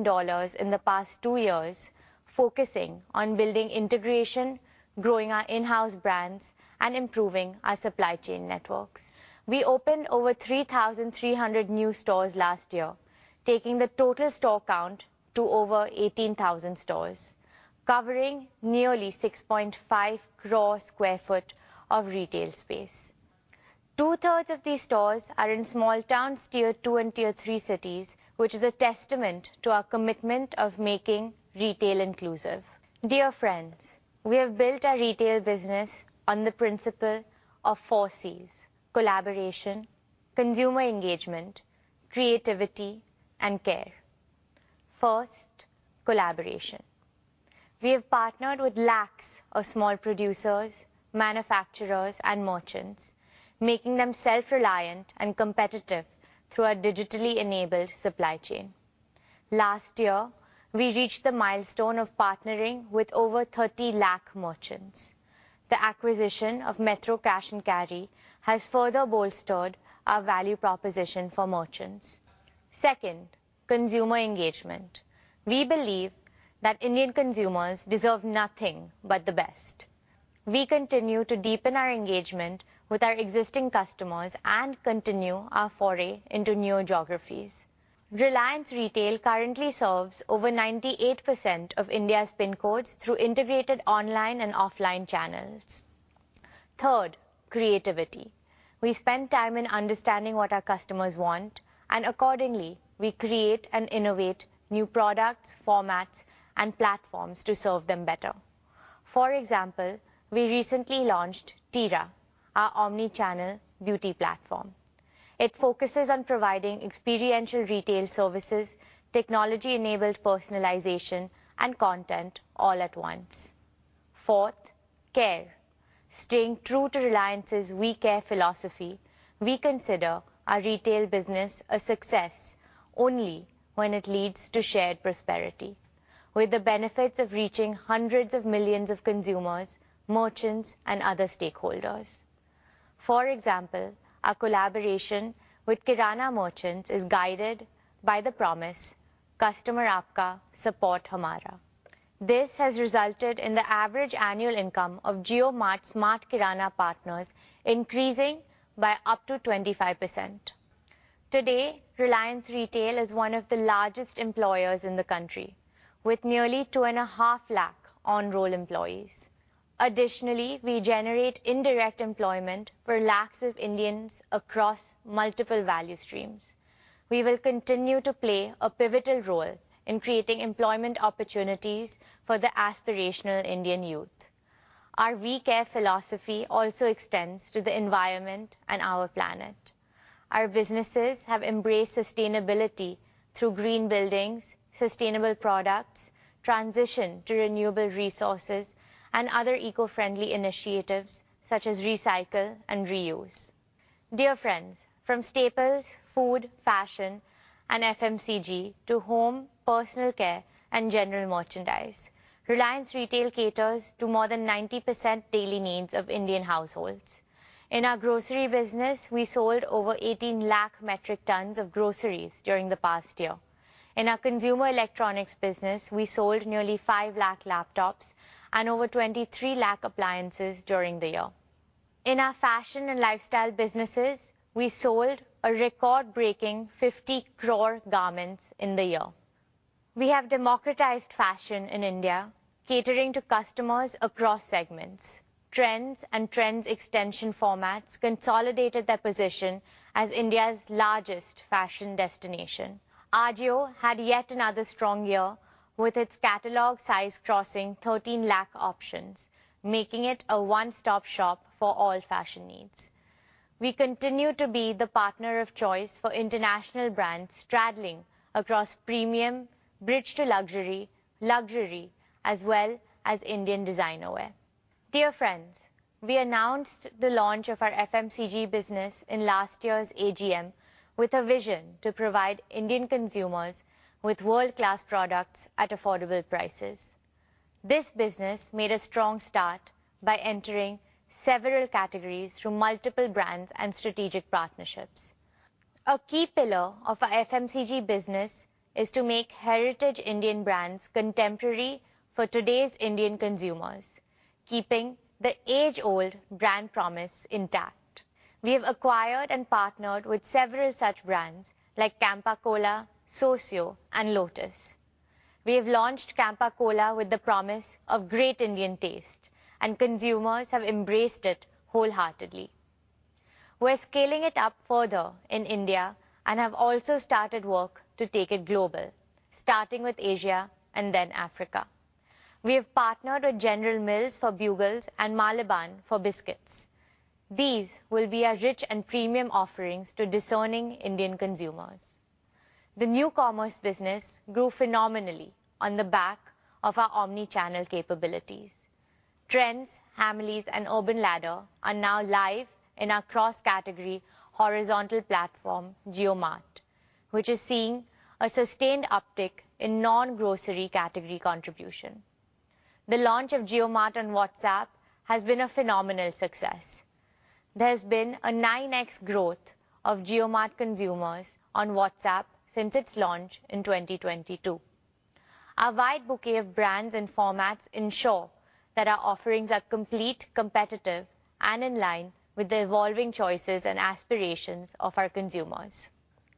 in the past two years, focusing on building integration, growing our in-house brands, and improving our supply chain networks. We opened over 3,300 new stores last year, taking the total store count to over 18,000 stores, covering nearly 6.5 crore sq ft of retail space. Two-thirds of these stores are in small towns, Tier 2 and Tier 3 cities, which is a testament to our commitment of making retail inclusive. Dear friends, we have built our retail business on the principle of four Cs: collaboration, consumer engagement, creativity, and care. First, collaboration. We have partnered with lakhs of small producers, manufacturers, and merchants, making them self-reliant and competitive through our digitally enabled supply chain. Last year, we reached the milestone of partnering with over 30 lakh merchants. The acquisition of Metro Cash and Carry has further bolstered our value proposition for merchants. Second, consumer engagement. We believe that Indian consumers deserve nothing but the best. We continue to deepen our engagement with our existing customers and continue our foray into new geographies. Reliance Retail currently serves over 98% of India's PIN codes through integrated online and offline channels. Third, creativity. We spend time in understanding what our customers want, and accordingly, we create and innovate new products, formats, and platforms to serve them better. For example, we recently launched Tira, our omni-channel beauty platform. It focuses on providing experiential retail services, technology-enabled personalization, and content all at once. Fourth, care. Staying true to Reliance's We Care philosophy, we consider our retail business a success only when it leads to shared prosperity, with the benefits of reaching hundreds of millions of consumers, merchants, and other stakeholders. For example, our collaboration with Kirana Merchants is guided by the promise, "Customer aapka, support hamara." This has resulted in the average annual income of JioMart Smart Kirana partners increasing by up to 25%. Today, Reliance Retail is one of the largest employers in the country, with nearly 250,000 on-roll employees. Additionally, we generate indirect employment for lakhs of Indians across multiple value streams. We will continue to play a pivotal role in creating employment opportunities for the aspirational Indian youth. Our We Care philosophy also extends to the environment and our planet. Our businesses have embraced sustainability through green buildings, sustainable products, transition to renewable resources, and other eco-friendly initiatives, such as recycle and reuse. Dear friends, from staples, food, fashion, and FMCG to home, personal care, and general merchandise, Reliance Retail caters to more than 90% daily needs of Indian households. In our grocery business, we sold over 18 lakh metric tons of groceries during the past year. In our consumer electronics business, we sold nearly 5 lakh laptops and over 23 lakh appliances during the year. In our fashion and lifestyle businesses, we sold a record-breaking 50 crore garments in the year. We have democratized fashion in India, catering to customers across segments. Trends and Trends extension formats consolidated their position as India's largest fashion destination. Ajio had yet another strong year with its catalog size crossing 13 lakh options, making it a one-stop shop for all fashion needs. We continue to be the partner of choice for international brands straddling across premium, bridge to luxury, luxury, as well as Indian designer wear. Dear friends, we announced the launch of our FMCG business in last year's AGM with a vision to provide Indian consumers with world-class products at affordable prices. This business made a strong start by entering several categories through multiple brands and strategic partnerships. A key pillar of our FMCG business is to make heritage Indian brands contemporary for today's Indian consumers, keeping the age-old brand promise intact. We have acquired and partnered with several such brands like Campa Cola, Sosyo, and Lotus. We have launched Campa Cola with the promise of great Indian taste, and consumers have embraced it wholeheartedly. We're scaling it up further in India and have also started work to take it global, starting with Asia and then Africa. We have partnered with General Mills for Bugles and Maliban for biscuits. These will be our rich and premium offerings to discerning Indian consumers. The new commerce business grew phenomenally on the back of our omni-channel capabilities. Trends, Hamleys, and Urban Ladder are now live in our cross-category horizontal platform, JioMart, which is seeing a sustained uptick in non-grocery category contribution. The launch of JioMart on WhatsApp has been a phenomenal success. There's been a 9x growth of JioMart consumers on WhatsApp since its launch in 2022. Our wide bouquet of brands and formats ensure that our offerings are complete, competitive, and in line with the evolving choices and aspirations of our consumers.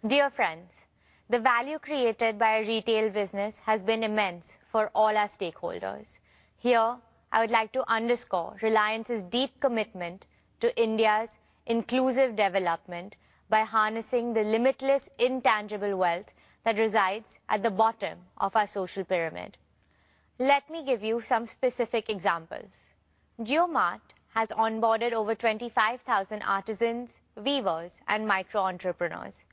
Dear friends, the value created by our retail business has been immense for all our stakeholders. Here, I would like to underscore Reliance's deep commitment to India's inclusive development by harnessing the limitless, intangible wealth that resides at the bottom of our social pyramid. Let me give you some specific examples. JioMart has onboarded over 25,000 artisans, weavers, and micro entrepreneurs,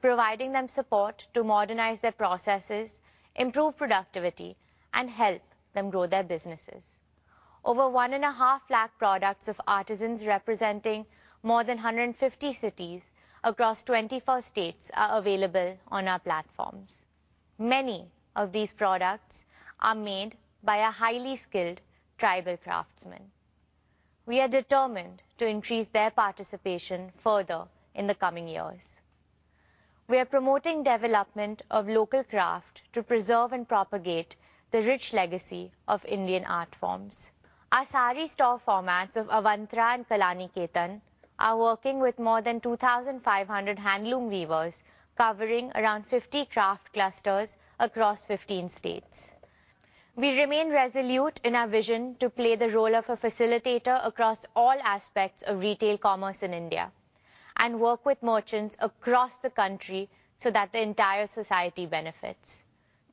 providing them support to modernize their processes, improve productivity, and help them grow their businesses. Over 150,000 products of artisans representing more than 150 cities across 24 states are available on our platforms. Many of these products are made by our highly skilled tribal craftsmen. We are determined to increase their participation further in the coming years. We are promoting development of local craft to preserve and propagate the rich legacy of Indian art forms. Our saree store formats of Avantra and Kalanikethan are working with more than 2,500 handloom weavers, covering around 50 craft clusters across 15 states. We remain resolute in our vision to play the role of a facilitator across all aspects of retail commerce in India, and work with merchants across the country so that the entire society benefits.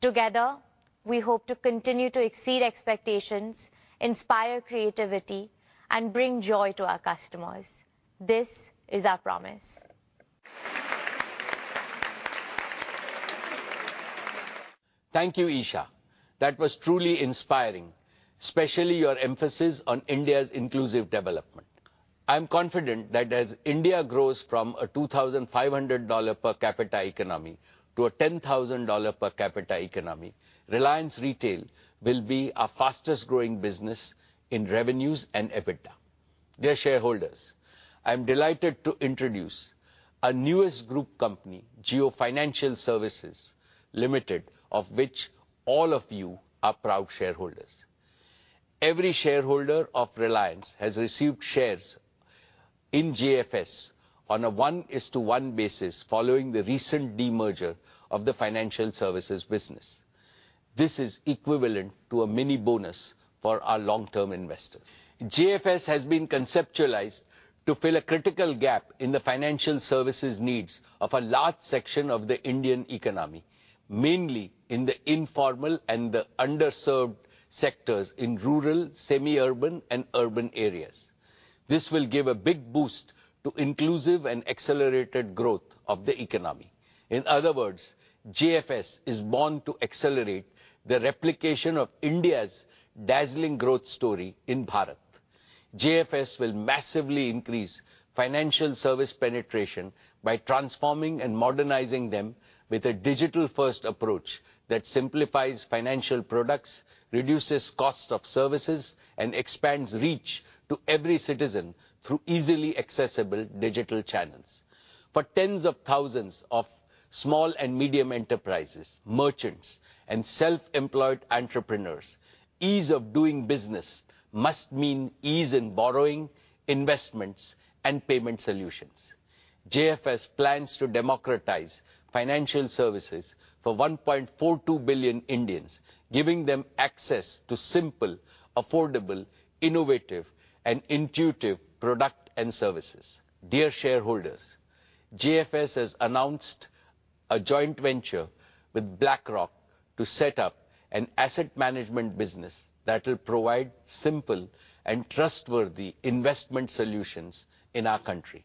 Together, we hope to continue to exceed expectations, inspire creativity, and bring joy to our customers. This is our promise. Thank you, Isha. That was truly inspiring, especially your emphasis on India's inclusive development. I'm confident that as India grows from a $2,500 per capita economy to a $10,000 per capita economy, Reliance Retail will be our fastest growing business in revenues and EBITDA. Dear shareholders, I'm delighted to introduce our newest group company, Jio Financial Services Limited, of which all of you are proud shareholders. Every shareholder of Reliance has received shares in JFS on a 1:1 basis, following the recent demerger of the financial services business. This is equivalent to a mini bonus for our long-term investors. JFS has been conceptualized to fill a critical gap in the financial services needs of a large section of the Indian economy, mainly in the informal and the underserved sectors in rural, semi-urban, and urban areas. This will give a big boost to inclusive and accelerated growth of the economy. In other words, JFS is born to accelerate the replication of India's dazzling growth story in Bharat. JFS will massively increase financial service penetration by transforming and modernizing them with a digital-first approach that simplifies financial products, reduces cost of services, and expands reach to every citizen through easily accessible digital channels. For tens of thousands of small and medium enterprises, merchants, and self-employed entrepreneurs, ease of doing business must mean ease in borrowing, investments, and payment solutions. JFS plans to democratize financial services for 1.42 billion Indians, giving them access to simple, affordable, innovative, and intuitive product and services. Dear shareholders, JFS has announced a joint venture with BlackRock to set up an asset management business that will provide simple and trustworthy investment solutions in our country.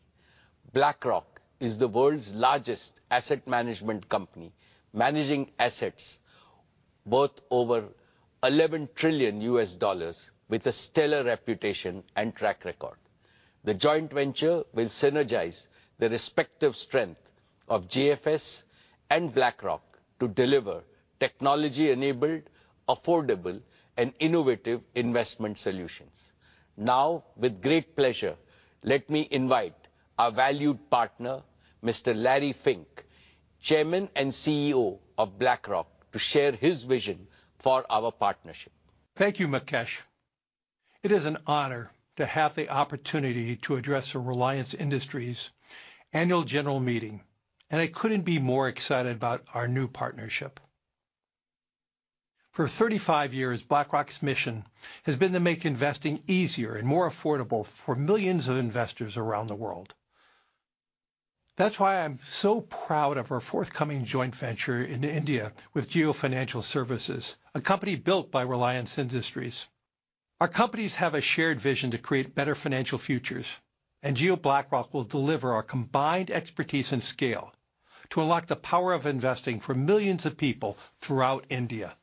BlackRock is the world's largest asset management company, managing assets worth over $11 trillion, with a stellar reputation and track record. The joint venture will synergize the respective strength of JFS and BlackRock to deliver technology-enabled, affordable, and innovative investment solutions. Now, with great pleasure, let me invite our valued partner, Mr. Larry Fink, Chairman and CEO of BlackRock, to share his vision for our partnership. Thank you, Mukesh. It is an honor to have the opportunity to address the Reliance Industries Annual General Meeting, and I couldn't be more excited about our new partnership. For 35 years, BlackRock's mission has been to make investing easier and more affordable for millions of investors around the world. That's why I'm so proud of our forthcoming joint venture in India with Jio Financial Services, a company built by Reliance Industries. Our companies have a shared vision to create better financial futures, and Jio BlackRock will deliver our combined expertise and scale to unlock the power of investing for millions of people throughout India.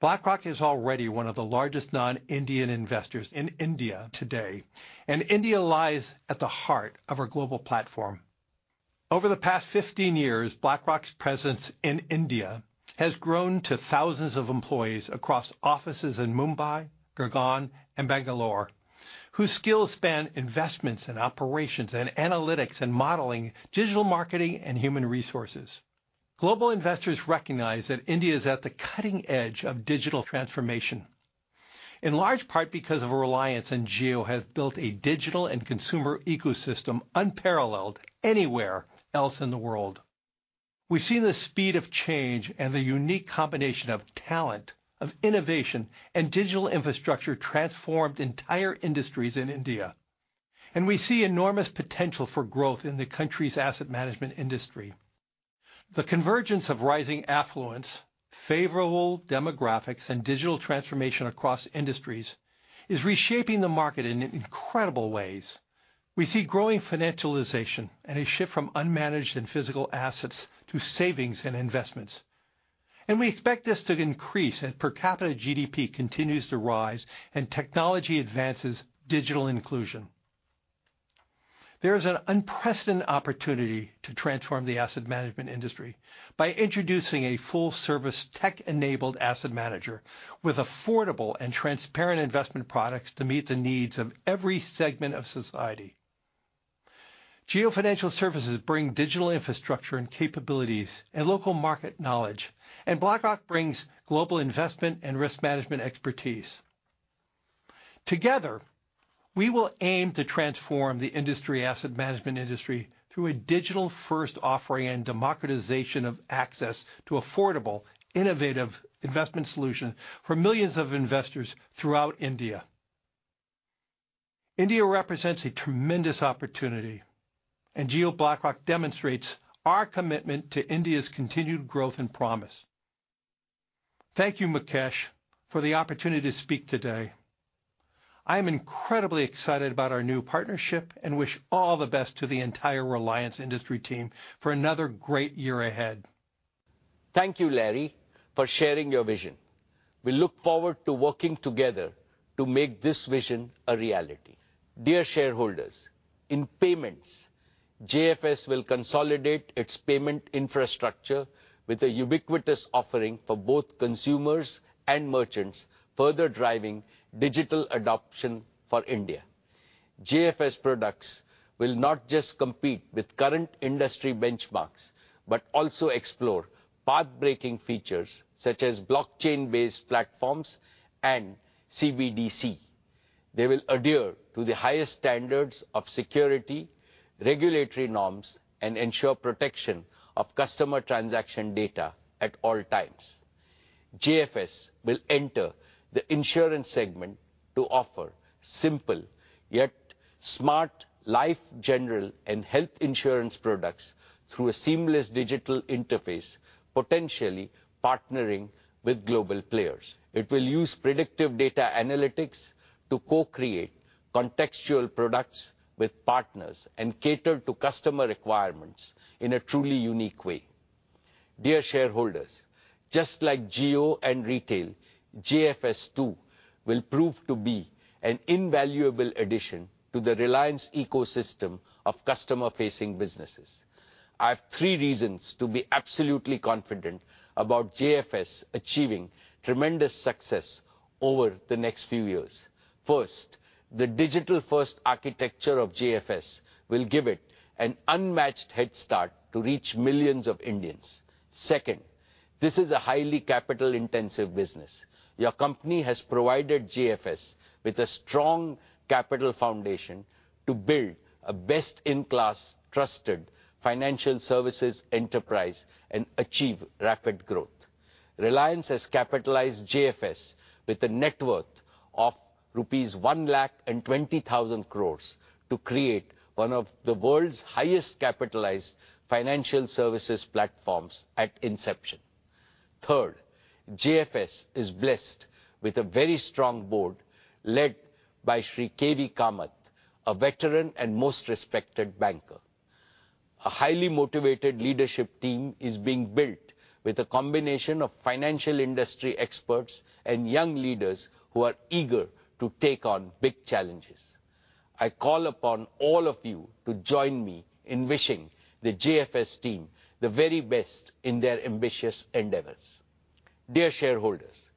BlackRock is already one of the largest non-Indian investors in India today, and India lies at the heart of our global platform. Over the past 15 years, BlackRock's presence in India has grown to thousands of employees across offices in Mumbai, Gurgaon, and Bangalore, whose skills span investments in operations and analytics and modeling, digital marketing and human resources. Global investors recognize that India is at the cutting edge of digital transformation, in large part because of Reliance and Jio have built a digital and consumer ecosystem unparalleled anywhere else in the world. We've seen the speed of change and the unique combination of talent, of innovation, and digital infrastructure transformed entire industries in India, and we see enormous potential for growth in the country's asset management industry.... The convergence of rising affluence, favorable demographics, and digital transformation across industries is reshaping the market in incredible ways. We see growing financialization and a shift from unmanaged and physical assets to savings and investments, and we expect this to increase as per capita GDP continues to rise and technology advances digital inclusion. There is an unprecedented opportunity to transform the asset management industry by introducing a full-service, tech-enabled asset manager with affordable and transparent investment products to meet the needs of every segment of society. Jio Financial Services bring digital infrastructure and capabilities and local market knowledge, and BlackRock brings global investment and risk management expertise. Together, we will aim to transform the industry asset management industry through a digital-first offering and democratization of access to affordable, innovative investment solutions for millions of investors throughout India. India represents a tremendous opportunity, and Jio BlackRock demonstrates our commitment to India's continued growth and promise. Thank you, Mukesh, for the opportunity to speak today. I am incredibly excited about our new partnership and wish all the best to the entire Reliance Industries team for another great year ahead. Thank you, Larry, for sharing your vision. We look forward to working together to make this vision a reality. Dear shareholders, in payments, JFS will consolidate its payment infrastructure with a ubiquitous offering for both consumers and merchants, further driving digital adoption for India. JFS products will not just compete with current industry benchmarks, but also explore pathbreaking features such as blockchain-based platforms and CBDC. They will adhere to the highest standards of security, regulatory norms, and ensure protection of customer transaction data at all times. JFS will enter the insurance segment to offer simple, yet smart life, general, and health insurance products through a seamless digital interface, potentially partnering with global players. It will use predictive data analytics to co-create contextual products with partners and cater to customer requirements in a truly unique way. Dear shareholders, just like Jio and Retail, JFS, too, will prove to be an invaluable addition to the Reliance ecosystem of customer-facing businesses. I have three reasons to be absolutely confident about JFS achieving tremendous success over the next few years. First, the digital-first architecture of JFS will give it an unmatched head start to reach millions of Indians. Second, this is a highly capital-intensive business. Your company has provided JFS with a strong capital foundation to build a best-in-class, trusted financial services enterprise and achieve rapid growth. Reliance has capitalized JFS with a net worth of rupees 120,000 crore to create one of the world's highest capitalized financial services platforms at inception. Third, JFS is blessed with a very strong board, led by K. V. Kamath, a veteran and most respected banker. A highly motivated leadership team is being built with a combination of financial industry experts and young leaders who are eager to take on big challenges. I call upon all of you to join me in wishing the JFS team the very best in their ambitious endeavors. Dear shareholders,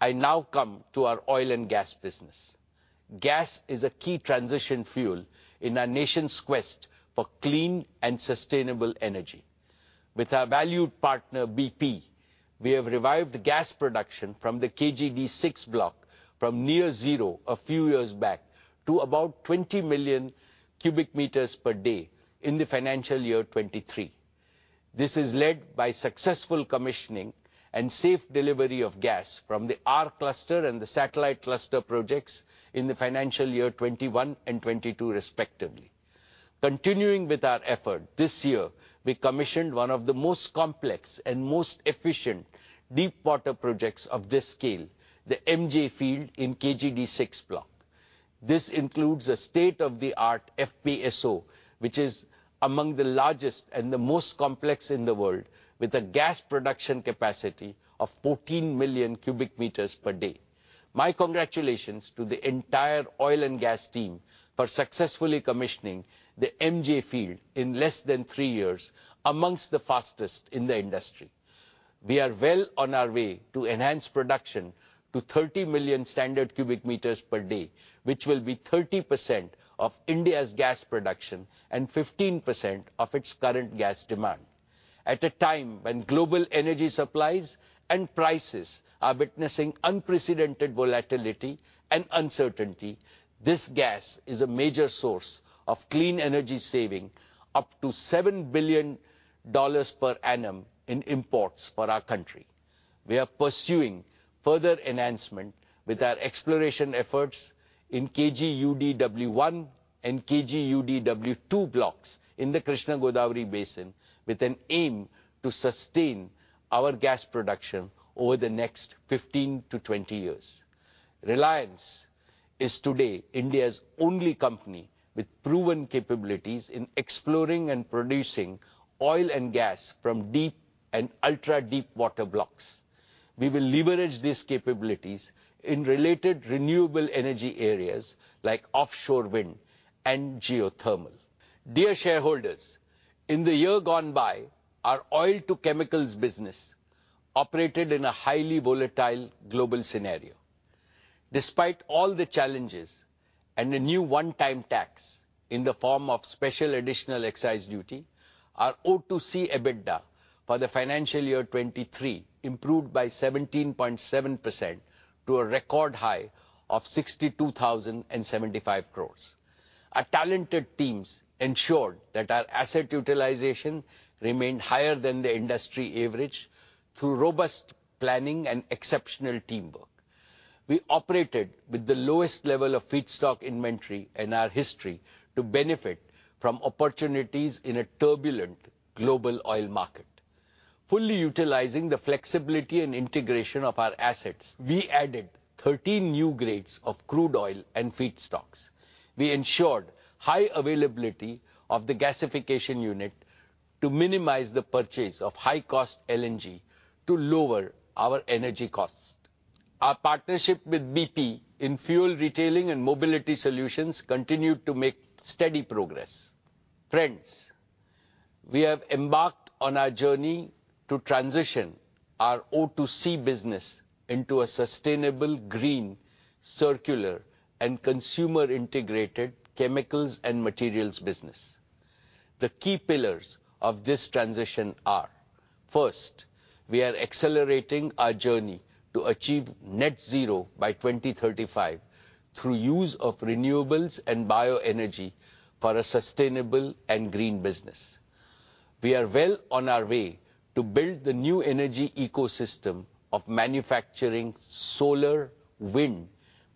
I now come to our oil and gas business. Gas is a key transition fuel in our nation's quest for clean and sustainable energy. With our valued partner, BP, we have revived gas production from the KG-D6 block from near zero a few years back to about 20 million cubic meters per day in the financial year 2023. This is led by successful commissioning and safe delivery of gas from the R cluster and the satellite cluster projects in the financial year 2021 and 2022, respectively. Continuing with our effort, this year, we commissioned one of the most complex and most efficient deepwater projects of this scale, the MJ field in KG-D6 block. This includes a state-of-the-art FPSO, which is among the largest and the most complex in the world, with a gas production capacity of 14 million cubic meters per day. My congratulations to the entire oil and gas team for successfully commissioning the MJ field in less than three years, among the fastest in the industry. We are well on our way to enhance production to 30 million standard cubic meters per day, which will be 30% of India's gas production and 15% of its current gas demand. At a time when global energy supplies and prices are witnessing unprecedented volatility and uncertainty, this gas is a major source of clean energy, saving up to $7 billion per annum in imports for our country. We are pursuing further enhancement with our exploration efforts in KG-UDW-1 and KG-UDW-2 blocks in the Krishna Godavari Basin, with an aim to sustain our gas production over the next 15-20 years. Reliance is today India's only company with proven capabilities in exploring and producing oil and gas from deep and ultra-deep water blocks. We will leverage these capabilities in related renewable energy areas, like offshore wind and geothermal. Dear shareholders, in the year gone by, our oil-to-chemicals business operated in a highly volatile global scenario. Despite all the challenges and a new one-time tax in the form of special additional excise duty, our O2C EBITDA for the financial year 2023 improved by 17.7% to a record high of 62,075 crore. Our talented teams ensured that our asset utilization remained higher than the industry average through robust planning and exceptional teamwork. We operated with the lowest level of feedstock inventory in our history to benefit from opportunities in a turbulent global oil market. Fully utilizing the flexibility and integration of our assets, we added 13 new grades of crude oil and feedstocks. We ensured high availability of the gasification unit to minimize the purchase of high-cost LNG to lower our energy costs. Our partnership with BP in fuel retailing and mobility solutions continued to make steady progress. Friends, we have embarked on our journey to transition our O2C business into a sustainable, green, circular, and consumer-integrated chemicals and materials business. The key pillars of this transition are: first, we are accelerating our journey to achieve net zero by 2035 through use of renewables and bioenergy for a sustainable and green business. We are well on our way to build the new energy ecosystem of manufacturing, solar, wind,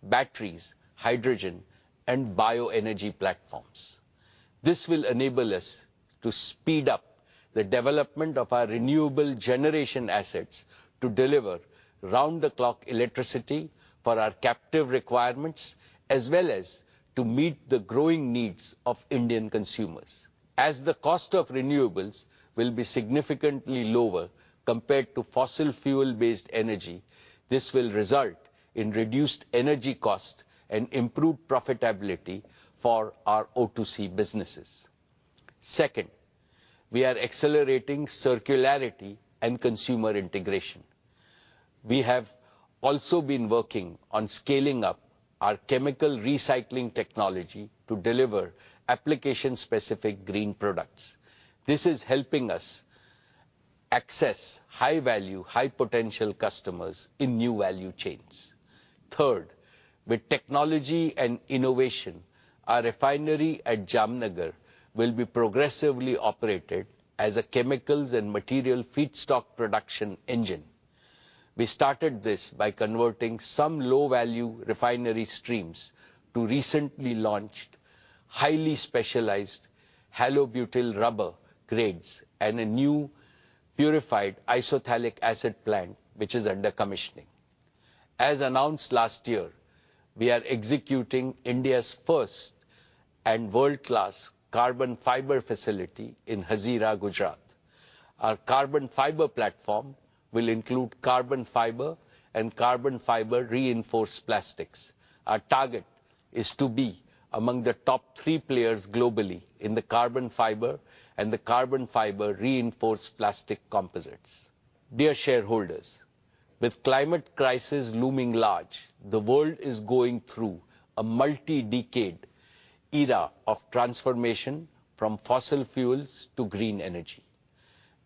batteries, hydrogen, and bioenergy platforms. This will enable us to speed up the development of our renewable generation assets to deliver round-the-clock electricity for our captive requirements, as well as to meet the growing needs of Indian consumers. As the cost of renewables will be significantly lower compared to fossil fuel-based energy, this will result in reduced energy cost and improved profitability for our O2C businesses. Second, we are accelerating circularity and consumer integration. We have also been working on scaling up our chemical recycling technology to deliver application-specific green products. This is helping us access high-value, high-potential customers in new value chains. Third, with technology and innovation, our refinery at Jamnagar will be progressively operated as a chemicals and material feedstock production engine. We started this by converting some low-value refinery streams to recently launched, highly specialized halobutyl rubber grades and a new purified isophthalic acid plant, which is under commissioning. As announced last year, we are executing India's first and world-class carbon fiber facility in Hazira, Gujarat. Our carbon fiber platform will include carbon fiber and carbon fiber-reinforced plastics. Our target is to be among the top three players globally in the carbon fiber and the carbon fiber-reinforced plastic composites. Dear shareholders, with climate crisis looming large, the world is going through a multi-decade era of transformation from fossil fuels to green energy.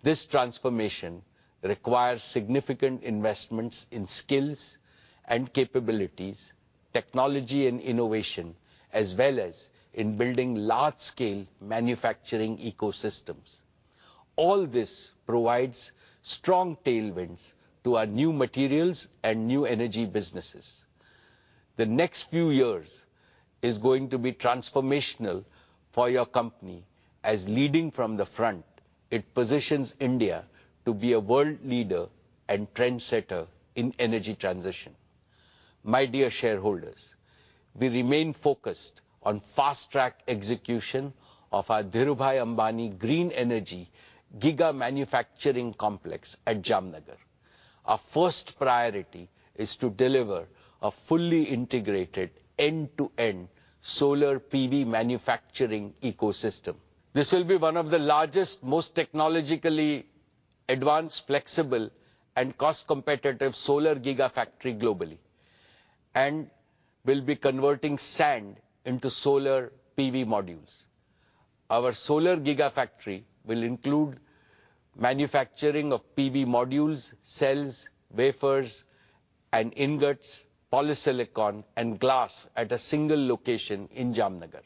This transformation requires significant investments in skills and capabilities, technology and innovation, as well as in building large-scale manufacturing ecosystems. All this provides strong tailwinds to our new materials and new energy businesses. The next few years is going to be transformational for your company, as leading from the front, it positions India to be a world leader and trendsetter in energy transition. My dear shareholders, we remain focused on fast-track execution of our Dhirubhai Ambani Green Energy Giga Complex at Jamnagar. Our first priority is to deliver a fully integrated, end-to-end solar PV manufacturing ecosystem. This will be one of the largest, most technologically advanced, flexible, and cost-competitive solar gigafactory globally, and will be converting sand into solar PV modules. Our solar gigafactory will include manufacturing of PV modules, cells, wafers, and ingots, polysilicon, and glass at a single location in Jamnagar.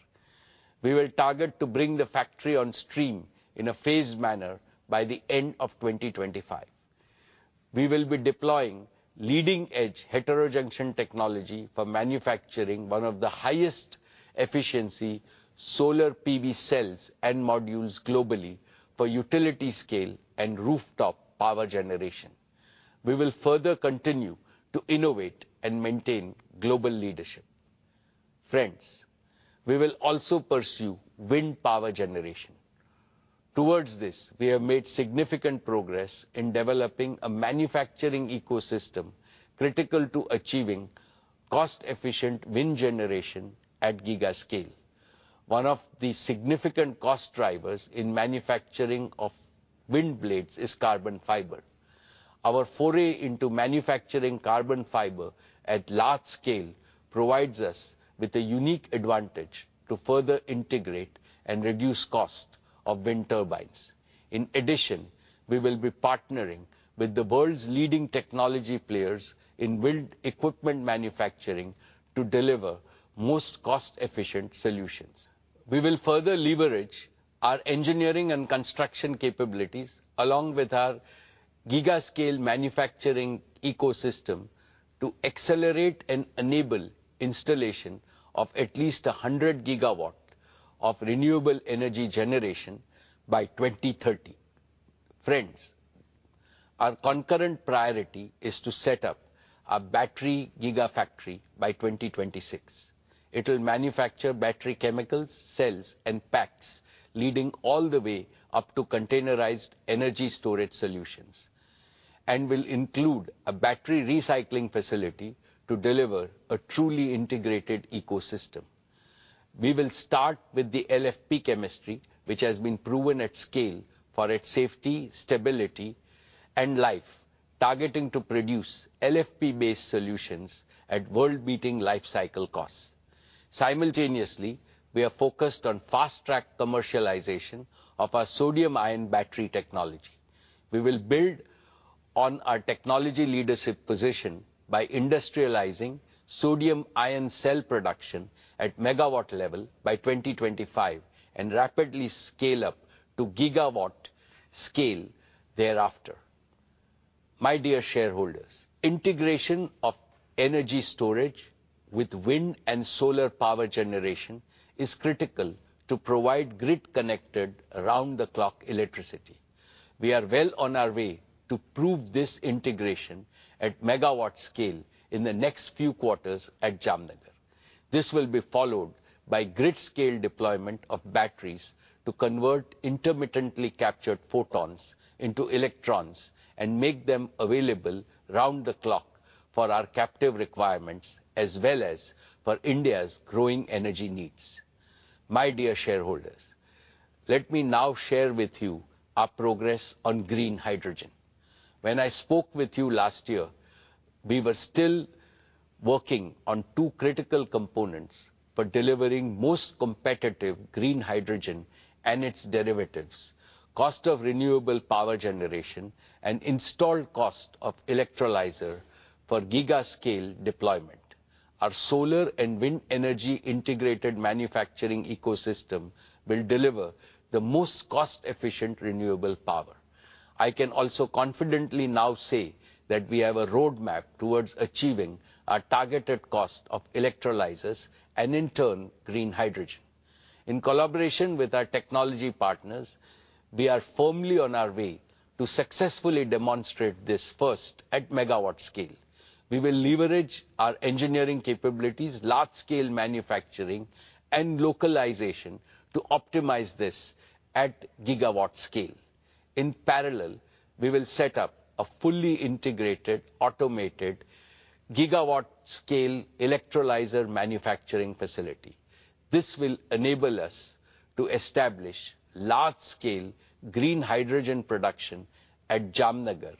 We will target to bring the factory on stream in a phased manner by the end of 2025. We will be deploying leading-edge heterojunction technology for manufacturing one of the highest efficiency solar PV cells and modules globally, for utility scale and rooftop power generation. We will further continue to innovate and maintain global leadership. Friends, we will also pursue wind power generation. Towards this, we have made significant progress in developing a manufacturing ecosystem, critical to achieving cost-efficient wind generation at giga scale. One of the significant cost drivers in manufacturing of wind blades is carbon fiber. Our foray into manufacturing carbon fiber at large scale, provides us with a unique advantage to further integrate and reduce cost of wind turbines. In addition, we will be partnering with the world's leading technology players in wind equipment manufacturing, to deliver most cost-efficient solutions. We will further leverage our engineering and construction capabilities, along with our giga scale manufacturing ecosystem, to accelerate and enable installation of at least 100 GW of renewable energy generation by 2030. Friends, our concurrent priority is to set up a battery gigafactory by 2026. It will manufacture battery chemicals, cells, and packs, leading all the way up to containerized energy storage solutions, and will include a battery recycling facility to deliver a truly integrated ecosystem. We will start with the LFP chemistry, which has been proven at scale for its safety, stability, and life, targeting to produce LFP-based solutions at world-beating life cycle costs. Simultaneously, we are focused on fast-track commercialization of our sodium-ion battery technology. We will build on our technology leadership position by industrializing sodium-ion cell production at megawatt level by 2025, and rapidly scale up to gigawatt scale thereafter. My dear shareholders, integration of energy storage with wind and solar power generation is critical to provide grid-connected, around-the-clock electricity. We are well on our way to prove this integration at megawatt scale in the next few quarters at Jamnagar. This will be followed by grid-scale deployment of batteries, to convert intermittently captured photons into electrons, and make them available round the clock for our captive requirements, as well as for India's growing energy needs. My dear shareholders, let me now share with you our progress on green hydrogen. When I spoke with you last year, we were still working on two critical components for delivering most competitive green hydrogen and its derivatives, cost of renewable power generation, and installed cost of electrolyzer for giga scale deployment. Our solar and wind energy integrated manufacturing ecosystem will deliver the most cost-efficient, renewable power. I can also confidently now say that we have a roadmap towards achieving our targeted cost of electrolyzers, and in turn, green hydrogen. In collaboration with our technology partners, we are firmly on our way to successfully demonstrate this first at megawatt scale. We will leverage our engineering capabilities, large-scale manufacturing, and localization, to optimize this at gigawatt scale. In parallel, we will set up a fully integrated, automated, gigawatt-scale electrolyzer manufacturing facility. This will enable us to establish large-scale green hydrogen production at Jamnagar,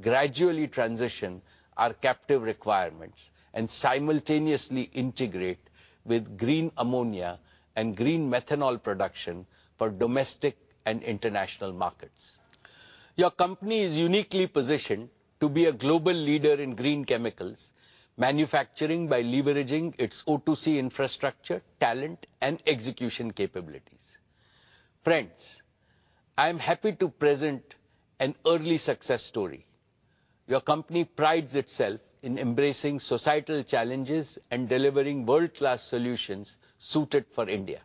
gradually transition our captive requirements, and simultaneously integrate with green ammonia and green methanol production for domestic and international markets. Your company is uniquely positioned to be a global leader in green chemicals, manufacturing by leveraging its O2C infrastructure, talent, and execution capabilities. Friends, I am happy to present an early success story. Your company prides itself in embracing societal challenges and delivering world-class solutions suited for India.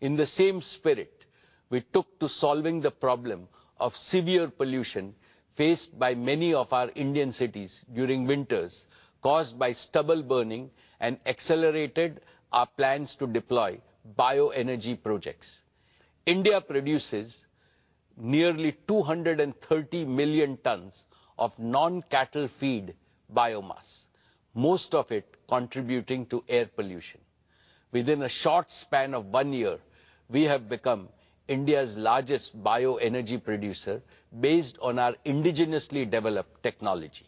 In the same spirit, we took to solving the problem of severe pollution faced by many of our Indian cities during winters, caused by stubble burning, and accelerated our plans to deploy bioenergy projects. India produces nearly 230 million tons of non-cattle feed biomass, most of it contributing to air pollution. Within a short span of 1 year, we have become India's largest bioenergy producer, based on our indigenously developed technology.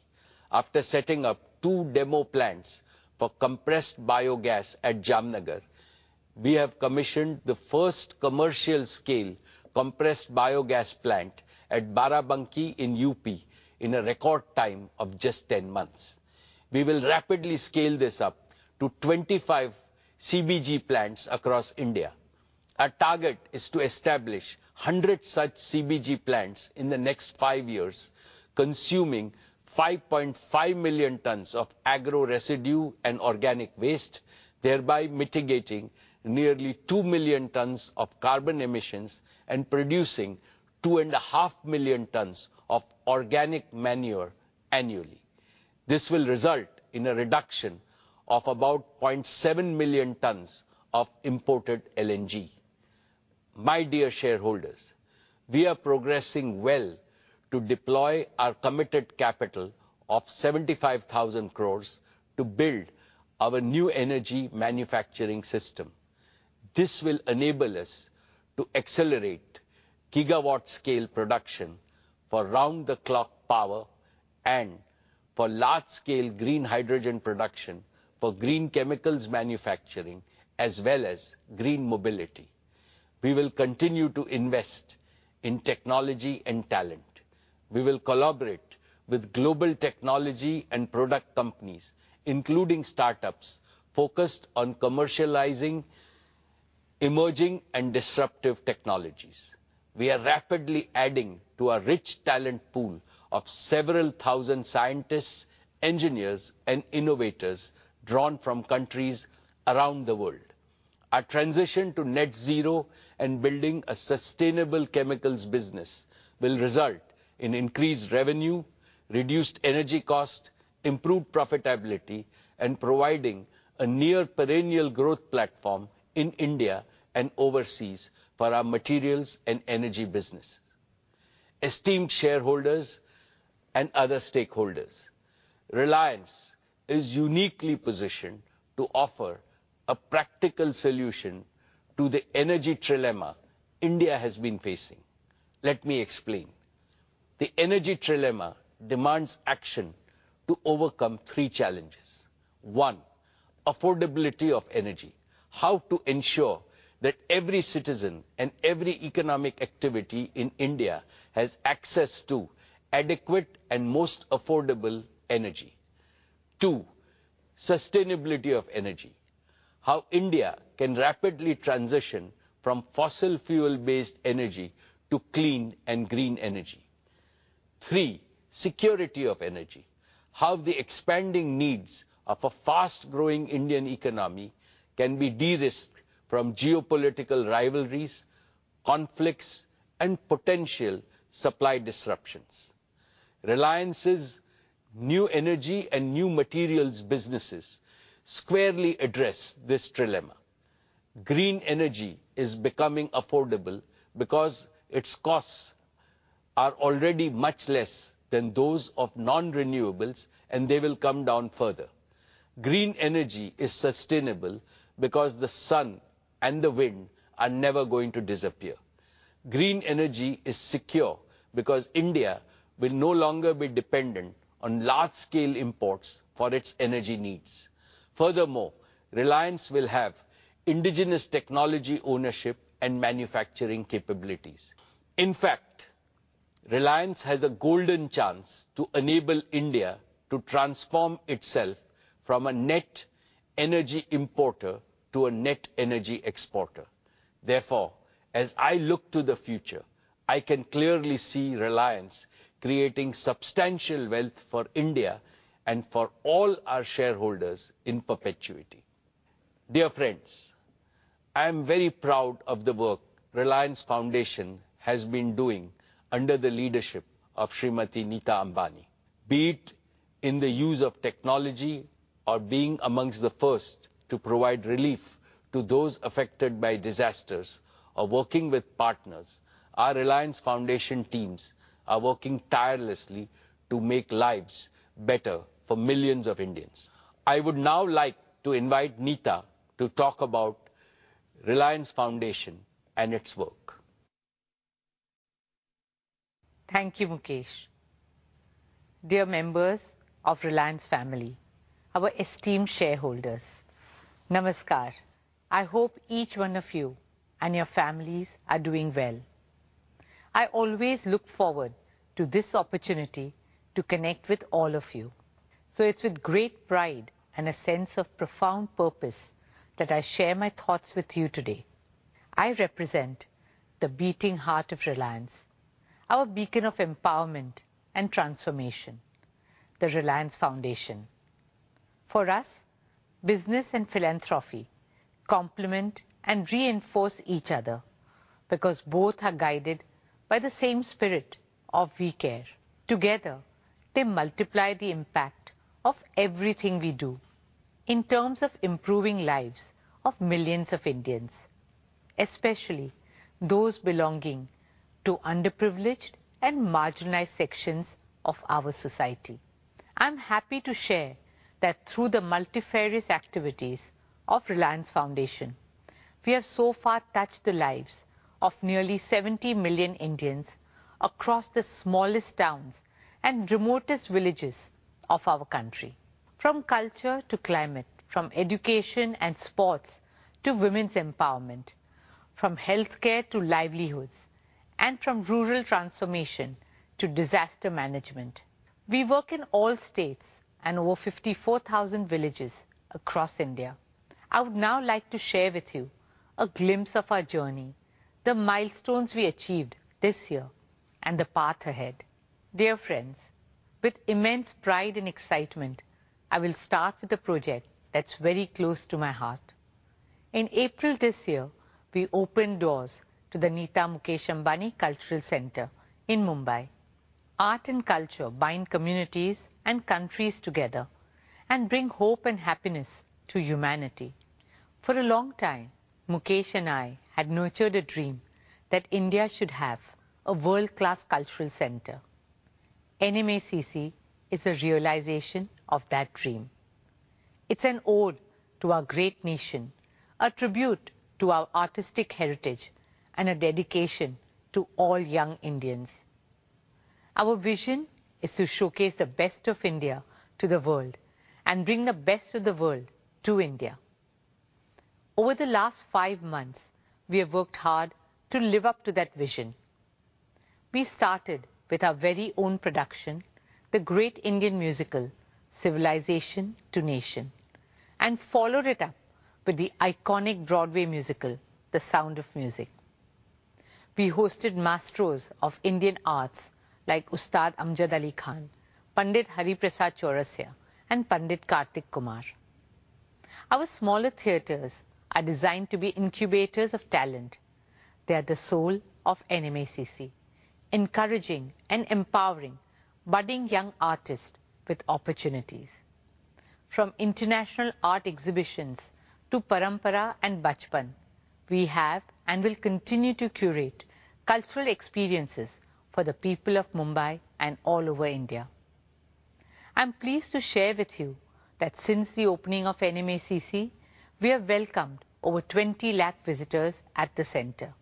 After setting up two demo plants for compressed biogas at Jamnagar, we have commissioned the first commercial-scale compressed biogas plant at Barabanki in UP, in a record time of just 10 months... We will rapidly scale this up to 25 CBG plants across India. Our target is to establish 100 such CBG plants in the next 5 years, consuming 5.5 million tons of agro residue and organic waste, thereby mitigating nearly 2 million tons of carbon emissions and producing 2.5 million tons of organic manure annually. This will result in a reduction of about 0.7 million tons of imported LNG. My dear shareholders, we are progressing well to deploy our committed capital of 75,000 crore to build our new energy manufacturing system. This will enable us to accelerate gigawatt scale production for round-the-clock power and for large-scale green hydrogen production, for green chemicals manufacturing, as well as green mobility. We will continue to invest in technology and talent. We will collaborate with global technology and product companies, including startups, focused on commercializing emerging and disruptive technologies. We are rapidly adding to our rich talent pool of several thousand scientists, engineers, and innovators drawn from countries around the world. Our transition to net zero and building a sustainable chemicals business will result in increased revenue, reduced energy cost, improved profitability, and providing a near perennial growth platform in India and overseas for our materials and energy businesses. Esteemed shareholders and other stakeholders, Reliance is uniquely positioned to offer a practical solution to the energy trilemma India has been facing. Let me explain. The energy trilemma demands action to overcome three challenges. One, affordability of energy. How to ensure that every citizen and every economic activity in India has access to adequate and most affordable energy. Two, sustainability of energy. How India can rapidly transition from fossil fuel-based energy to clean and green energy. Three, security of energy. How the expanding needs of a fast-growing Indian economy can be de-risked from geopolitical rivalries, conflicts, and potential supply disruptions. Reliance's new energy and new materials businesses squarely address this trilemma. Green energy is becoming affordable because its costs are already much less than those of non-renewables, and they will come down further. Green energy is sustainable because the sun and the wind are never going to disappear. Green energy is secure because India will no longer be dependent on large-scale imports for its energy needs. Furthermore, Reliance will have indigenous technology, ownership, and manufacturing capabilities. In fact, Reliance has a golden chance to enable India to transform itself from a net energy importer to a net energy exporter. Therefore, as I look to the future, I can clearly see Reliance creating substantial wealth for India and for all our shareholders in perpetuity. Dear friends, I am very proud of the work Reliance Foundation has been doing under the leadership of Srimati Nita Ambani. Be it in the use of technology or being among the first to provide relief to those affected by disasters or working with partners, our Reliance Foundation teams are working tirelessly to make lives better for millions of Indians. I would now like to invite Nita to talk about Reliance Foundation and its work. Thank you, Mukesh. Dear members of Reliance family, our esteemed shareholders, Namaskar. I hope each one of you and your families are doing well. I always look forward to this opportunity to connect with all of you, so it's with great pride and a sense of profound purpose that I share my thoughts with you today. I represent the beating heart of Reliance, our beacon of empowerment and transformation, the Reliance Foundation. For us, business and philanthropy complement and reinforce each other because both are guided by the same spirit of we care. Together, they multiply the impact of everything we do in terms of improving lives of millions of Indians, especially those belonging to underprivileged and marginalized sections of our society. I'm happy to share that through the multifarious activities of Reliance Foundation, we have so far touched the lives of nearly 70 million Indians across the smallest towns and remotest villages of our country. From culture to climate, from education and sports to women's empowerment, from healthcare to livelihoods... and from rural transformation to disaster management. We work in all states and over 54,000 villages across India. I would now like to share with you a glimpse of our journey, the milestones we achieved this year, and the path ahead. Dear friends, with immense pride and excitement, I will start with a project that's very close to my heart. In April this year, we opened doors to the Nita Mukesh Ambani Cultural Center in Mumbai. Art and culture bind communities and countries together and bring hope and happiness to humanity. For a long time, Mukesh and I had nurtured a dream that India should have a world-class cultural center. NMACC is a realization of that dream. It's an ode to our great nation, a tribute to our artistic heritage, and a dedication to all young Indians. Our vision is to showcase the best of India to the world and bring the best of the world to India. Over the last five months, we have worked hard to live up to that vision. We started with our very own production, The Great Indian Musical: Civilization to Nation, and followed it up with the iconic Broadway musical, The Sound of Music. We hosted maestros of Indian arts, like Ustad Amjad Ali Khan, Pandit Hariprasad Chaurasia, and Pandit Kartick Kumar. Our smaller theaters are designed to be incubators of talent. They are the soul of NMACC, encouraging and empowering budding young artists with opportunities. From international art exhibitions to Parampara and Bachpan, we have and will continue to curate cultural experiences for the people of Mumbai and all over India. I'm pleased to share with you that since the opening of NMACC, we have welcomed over 20 lakh visitors at the center.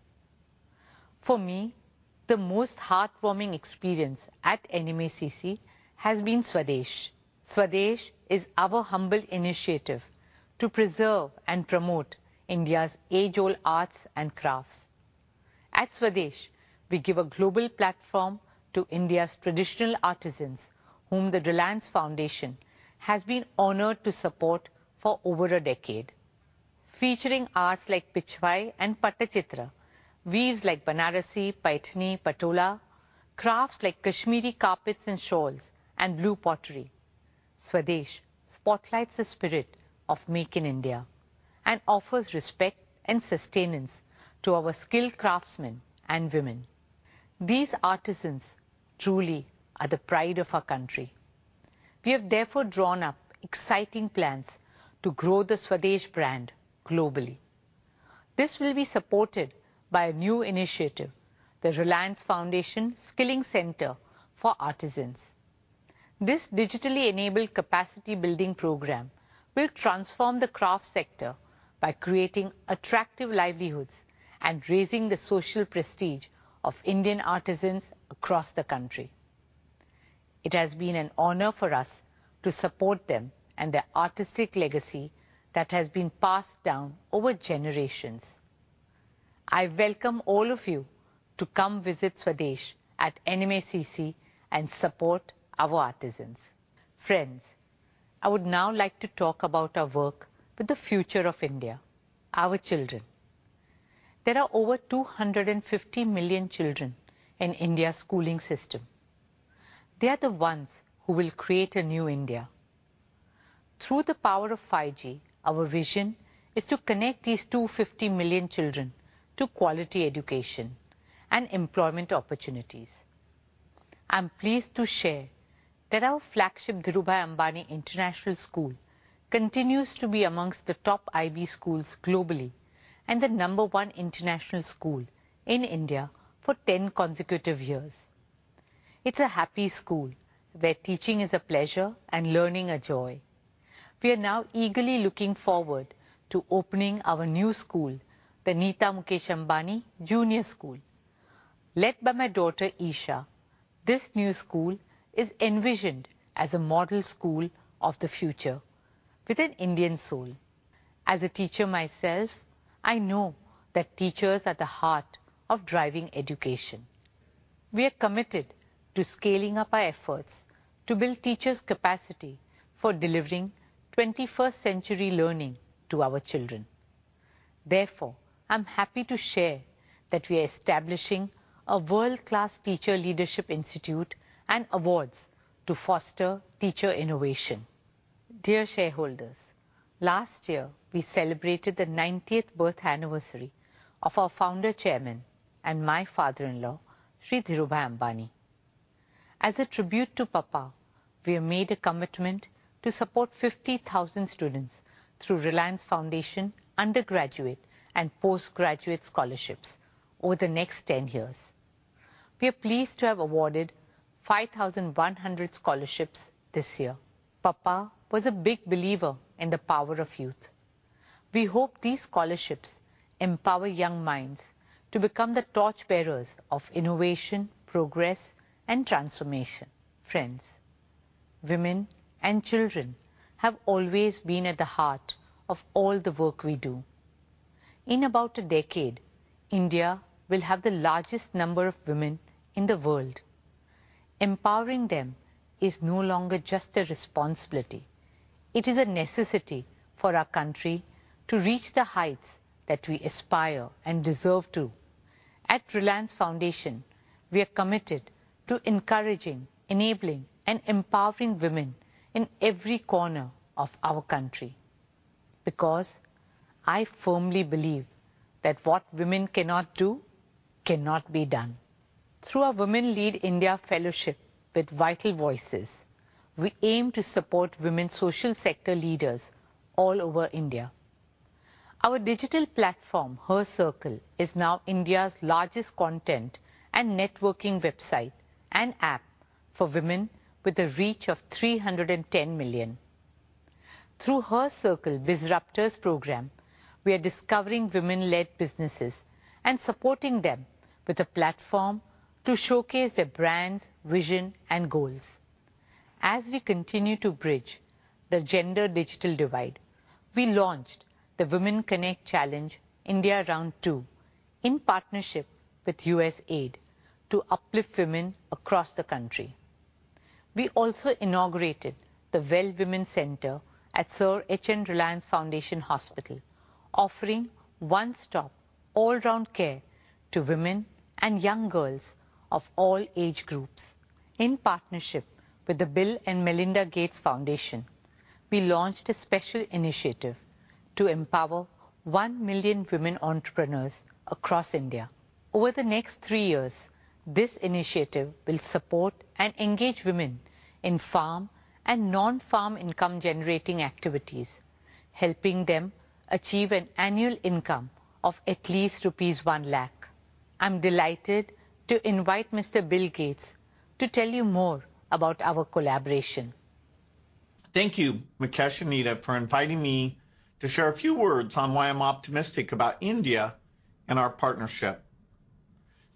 For me, the most heartwarming experience at NMACC has been Swadesh. Swadesh is our humble initiative to preserve and promote India's age-old arts and crafts. At Swadesh, we give a global platform to India's traditional artisans, whom the Reliance Foundation has been honored to support for over a decade. Featuring arts like Pichwai and Pattachitra, weaves like Banarasi, Paithani, Patola, crafts like Kashmiri carpets and shawls and blue pottery. Swadesh spotlights the spirit of Make in India and offers respect and sustenance to our skilled craftsmen and women. These artisans truly are the pride of our country. We have therefore drawn up exciting plans to grow the Swadesh brand globally. This will be supported by a new initiative, the Reliance Foundation Skilling Center for Artisans. This digitally enabled capacity building program will transform the craft sector by creating attractive livelihoods and raising the social prestige of Indian artisans across the country. It has been an honor for us to support them and their artistic legacy that has been passed down over generations. I welcome all of you to come visit Swadesh at NMACC and support our artisans. Friends, I would now like to talk about our work with the future of India, our children. There are over 250 million children in India's schooling system. They are the ones who will create a new India. Through the power of 5G, our vision is to connect these 250 million children to quality education and employment opportunities. I'm pleased to share that our flagship Dhirubhai Ambani International School continues to be among the top IB schools globally and the number one international school in India for 10 consecutive years. It's a happy school, where teaching is a pleasure and learning a joy. We are now eagerly looking forward to opening our new school, the Nita Mukesh Ambani Junior School. Led by my daughter, Isha, this new school is envisioned as a model school of the future with an Indian soul. As a teacher myself, I know that teachers are at the heart of driving education. We are committed to scaling up our efforts to build teachers' capacity for delivering 21st century learning to our children. Therefore, I'm happy to share that we are establishing a world-class teacher leadership institute and awards to foster teacher innovation. Dear shareholders, last year, we celebrated the 90th birth anniversary of our founder, chairman, and my father-in-law, Shri Dhirubhai Ambani. As a tribute to Papa, we have made a commitment to support 50,000 students through Reliance Foundation undergraduate and postgraduate scholarships over the next 10 years. We are pleased to have awarded 5,100 scholarships this year. Papa was a big believer in the power of youth. We hope these scholarships empower young minds to become the torchbearers of innovation, progress, and transformation. Women and children have always been at the heart of all the work we do. In about a decade, India will have the largest number of women in the world. Empowering them is no longer just a responsibility, it is a necessity for our country to reach the heights that we aspire and deserve to. At Reliance Foundation, we are committed to encouraging, enabling, and empowering women in every corner of our country, because I firmly believe that what women cannot do, cannot be done. Through our Women Lead India fellowship with Vital Voices, we aim to support women social sector leaders all over India. Our digital platform, Her Circle, is now India's largest content and networking website and app for women with a reach of 310 million. Through Her Circle Bizruptors program, we are discovering women-led businesses and supporting them with a platform to showcase their brands, vision, and goals. As we continue to bridge the gender digital divide, we launched the Women Connect Challenge India Round Two, in partnership with USAID, to uplift women across the country. We also inaugurated the Well Women Center at Sir H.N. Reliance Foundation Hospital, offering one-stop, all-round care to women and young girls of all age groups. In partnership with the Bill and Melinda Gates Foundation, we launched a special initiative to empower 1 million women entrepreneurs across India. Over the next 3 years, this initiative will support and engage women in farm and non-farm income-generating activities, helping them achieve an annual income of at least rupees 100,000. I'm delighted to invite Mr. Bill Gates to tell you more about our collaboration. Thank you, Mukesh and Nita, for inviting me to share a few words on why I'm optimistic about India and our partnership.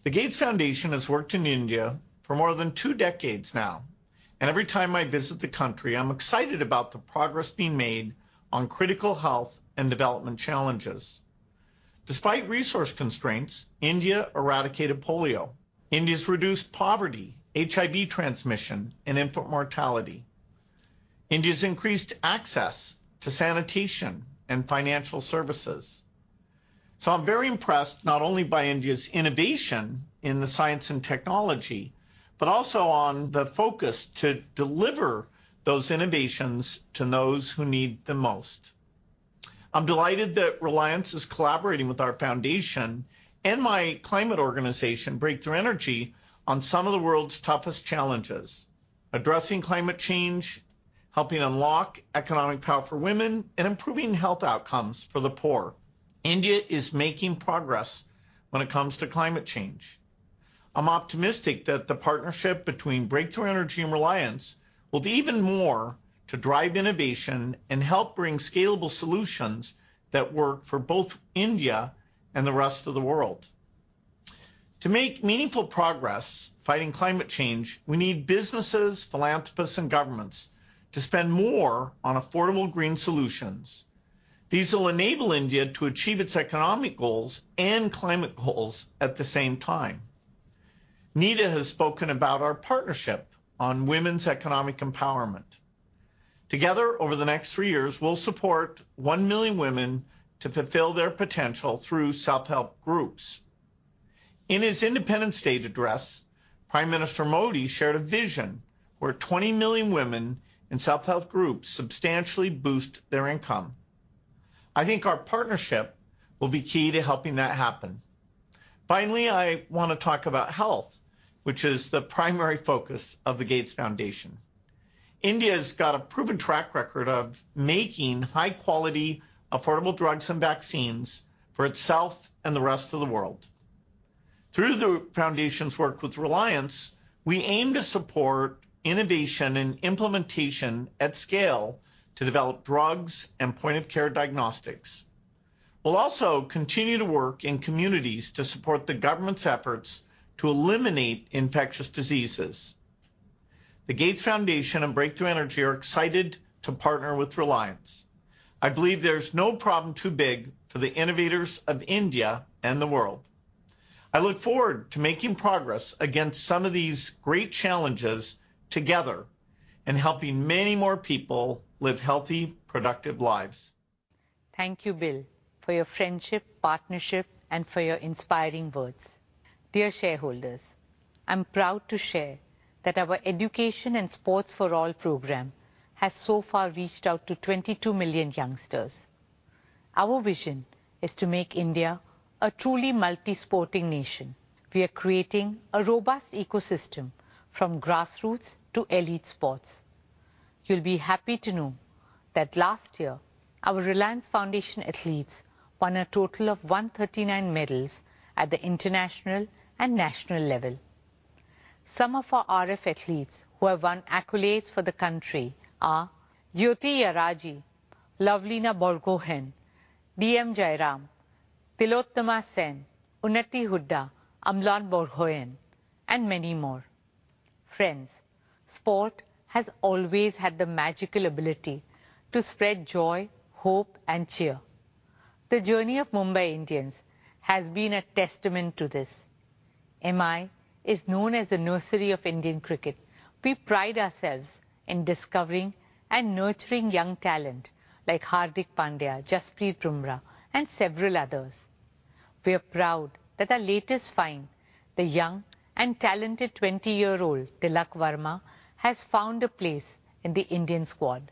The Gates Foundation has worked in India for more than two decades now, and every time I visit the country, I'm excited about the progress being made on critical health and development challenges. Despite resource constraints, India eradicated polio. India's reduced poverty, HIV transmission, and infant mortality. India's increased access to sanitation and financial services. I'm very impressed not only by India's innovation in the science and technology, but also on the focus to deliver those innovations to those who need the most. I'm delighted that Reliance is collaborating with our foundation and my climate organization, Breakthrough Energy, on some of the world's toughest challenges: addressing climate change, helping unlock economic power for women, and improving health outcomes for the poor. India is making progress when it comes to climate change. I'm optimistic that the partnership between Breakthrough Energy and Reliance will do even more to drive innovation and help bring scalable solutions that work for both India and the rest of the world. To make meaningful progress fighting climate change, we need businesses, philanthropists, and governments to spend more on affordable green solutions. These will enable India to achieve its economic goals and climate goals at the same time. Nita has spoken about our partnership on women's economic empowerment. Together, over the next 3 years, we'll support 1 million women to fulfill their potential through self-help groups. In his independent state address, Prime Minister Modi shared a vision where 20 million women in self-help groups substantially boost their income. I think our partnership will be key to helping that happen. Finally, I want to talk about health, which is the primary focus of the Gates Foundation. India's got a proven track record of making high-quality, affordable drugs and vaccines for itself and the rest of the world. Through the foundation's work with Reliance, we aim to support innovation and implementation at scale to develop drugs and point-of-care diagnostics. We'll also continue to work in communities to support the government's efforts to eliminate infectious diseases. The Gates Foundation and Breakthrough Energy are excited to partner with Reliance. I believe there's no problem too big for the innovators of India and the world. I look forward to making progress against some of these great challenges together, and helping many more people live healthy, productive lives. Thank you, Bill, for your friendship, partnership, and for your inspiring words. Dear shareholders, I'm proud to share that our Education and Sports For All program has so far reached out to 22 million youngsters. Our vision is to make India a truly multi-sporting nation. We are creating a robust ecosystem from grassroots to elite sports. You'll be happy to know that last year, our Reliance Foundation athletes won a total of 139 medals at the international and national level. Some of our RF athletes who have won accolades for the country are Jyothi Yarraji, Lovlina Borgohain, D.M. Jayaram, Tilottama Sen, Unnati Hooda, Amlan Borgohain, and many more. Friends, sport has always had the magical ability to spread joy, hope, and cheer. The journey of Mumbai Indians has been a testament to this. MI is known as the nursery of Indian cricket. We pride ourselves in discovering and nurturing young talent, like Hardik Pandya, Jasprit Bumrah, and several others. We are proud that our latest find, the young and talented 20-year-old Tilak Varma, has found a place in the Indian squad.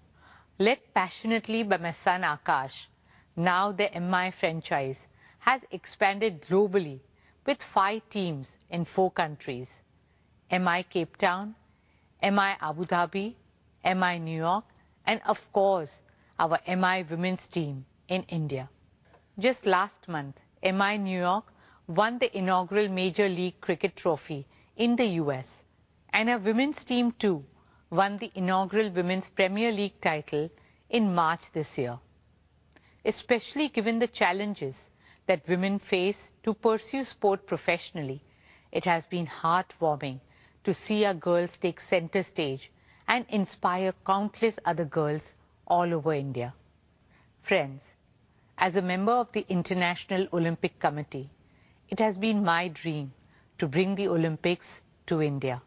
Led passionately by my son, Akash, now the MI franchise has expanded globally with 5 teams in 4 countries: MI Cape Town, MI Abu Dhabi, MI New York, and of course, our MI women's team in India. Just last month, MI New York won the inaugural Major League Cricket Trophy in the U.S., and our women's team, too, won the inaugural Women's Premier League title in March this year. Especially given the challenges that women face to pursue sport professionally, it has been heartwarming to see our girls take center stage and inspire countless other girls all over India. Friends, as a member of the International Olympic Committee, it has been my dream to bring the Olympics to India.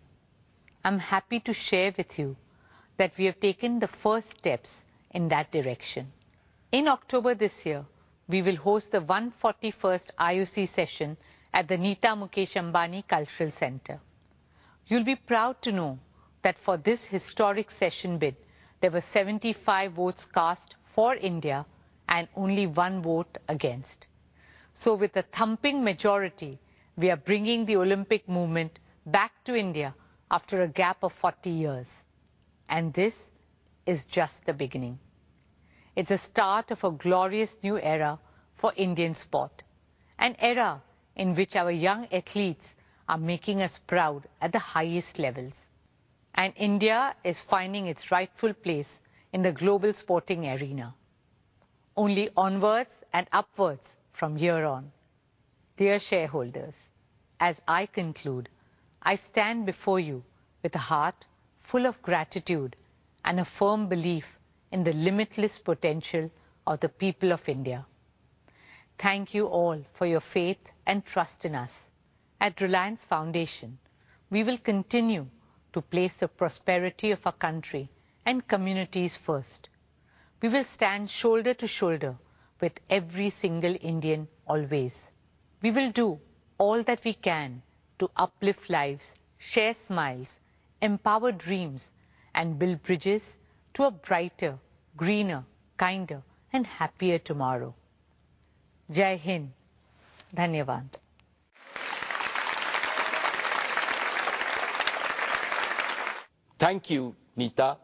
I'm happy to share with you that we have taken the first steps in that direction. In October this year, we will host the 141st IOC session at the Nita Mukesh Ambani Cultural Centre. You'll be proud to know that for this historic session bid, there were 75 votes cast for India and only 1 vote against. So with a thumping majority, we are bringing the Olympic movement back to India after a gap of 40 years, and this is just the beginning. It's a start of a glorious new era for Indian sport, an era in which our young athletes are making us proud at the highest levels, and India is finding its rightful place in the global sporting arena. Only onwards and upwards from here on. Dear shareholders, as I conclude, I stand before you with a heart full of gratitude and a firm belief in the limitless potential of the people of India. Thank you all for your faith and trust in us. At Reliance Foundation, we will continue to place the prosperity of our country and communities first. We will stand shoulder to shoulder with every single Indian, always. We will do all that we can to uplift lives, share smiles, empower dreams, and build bridges to a brighter, greener, kinder, and happier tomorrow. Jai Hind! Dhanyavad. Thank you, Nita,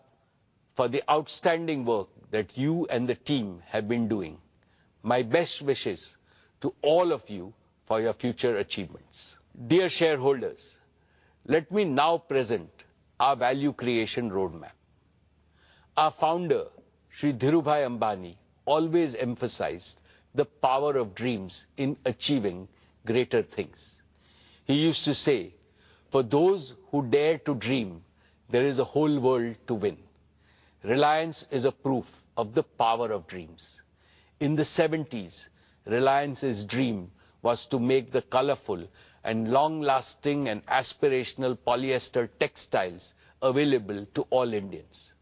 for the outstanding work that you and the team have been doing. My best wishes to all of you for your future achievements. Dear shareholders, let me now present our value creation roadmap. Our founder, Shri Dhirubhai Ambani, always emphasized the power of dreams in achieving greater things. He used to say: "For those who dare to dream, there is a whole world to win." Reliance is a proof of the power of dreams. In the seventies, Reliance's dream was to make the colorful and long-lasting and aspirational polyester textiles available to all Indians.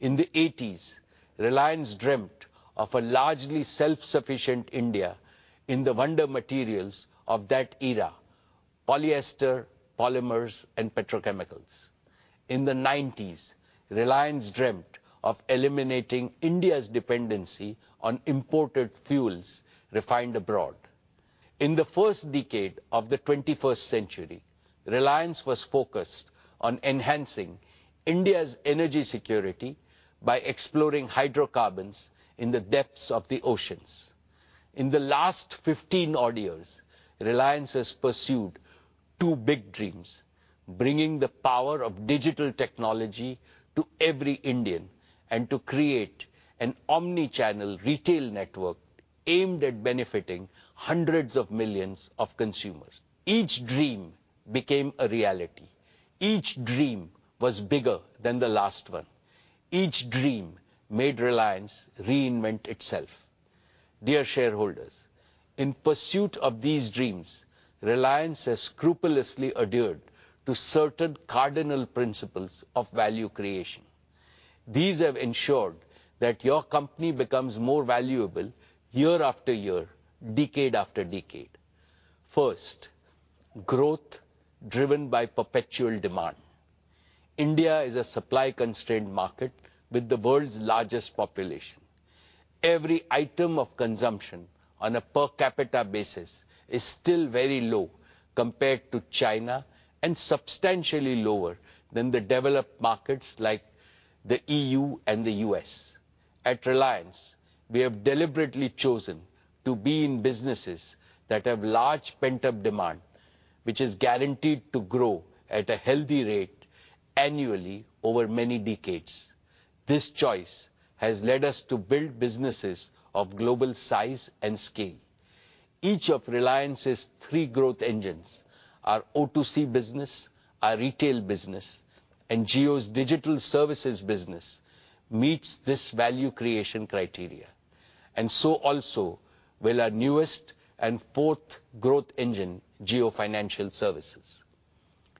In the eighties, Reliance dreamt of a largely self-sufficient India in the wonder materials of that era: polyester, polymers, and petrochemicals. In the nineties, Reliance dreamt of eliminating India's dependency on imported fuels refined abroad. In the first decade of the 21st century, Reliance was focused on enhancing India's energy security by exploring hydrocarbons in the depths of the oceans. In the last 15 odd years, Reliance has pursued two big dreams: bringing the power of digital technology to every Indian, and to create an omni-channel retail network aimed at benefiting hundreds of millions of consumers. Each dream became a reality. Each dream was bigger than the last one. Each dream made Reliance reinvent itself. Dear shareholders, in pursuit of these dreams, Reliance has scrupulously adhered to certain cardinal principles of value creation. These have ensured that your company becomes more valuable year after year, decade after decade. First, growth driven by perpetual demand. India is a supply-constrained market with the world's largest population. Every item of consumption on a per capita basis is still very low compared to China, and substantially lower than the developed markets like the E.U. and the U.S. At Reliance, we have deliberately chosen to be in businesses that have large pent-up demand, which is guaranteed to grow at a healthy rate annually over many decades. This choice has led us to build businesses of global size and scale. Each of Reliance's three growth engines, our O2C business, our retail business, and Jio's digital services business, meets this value creation criteria, and so also will our newest and fourth growth engine, Jio Financial Services.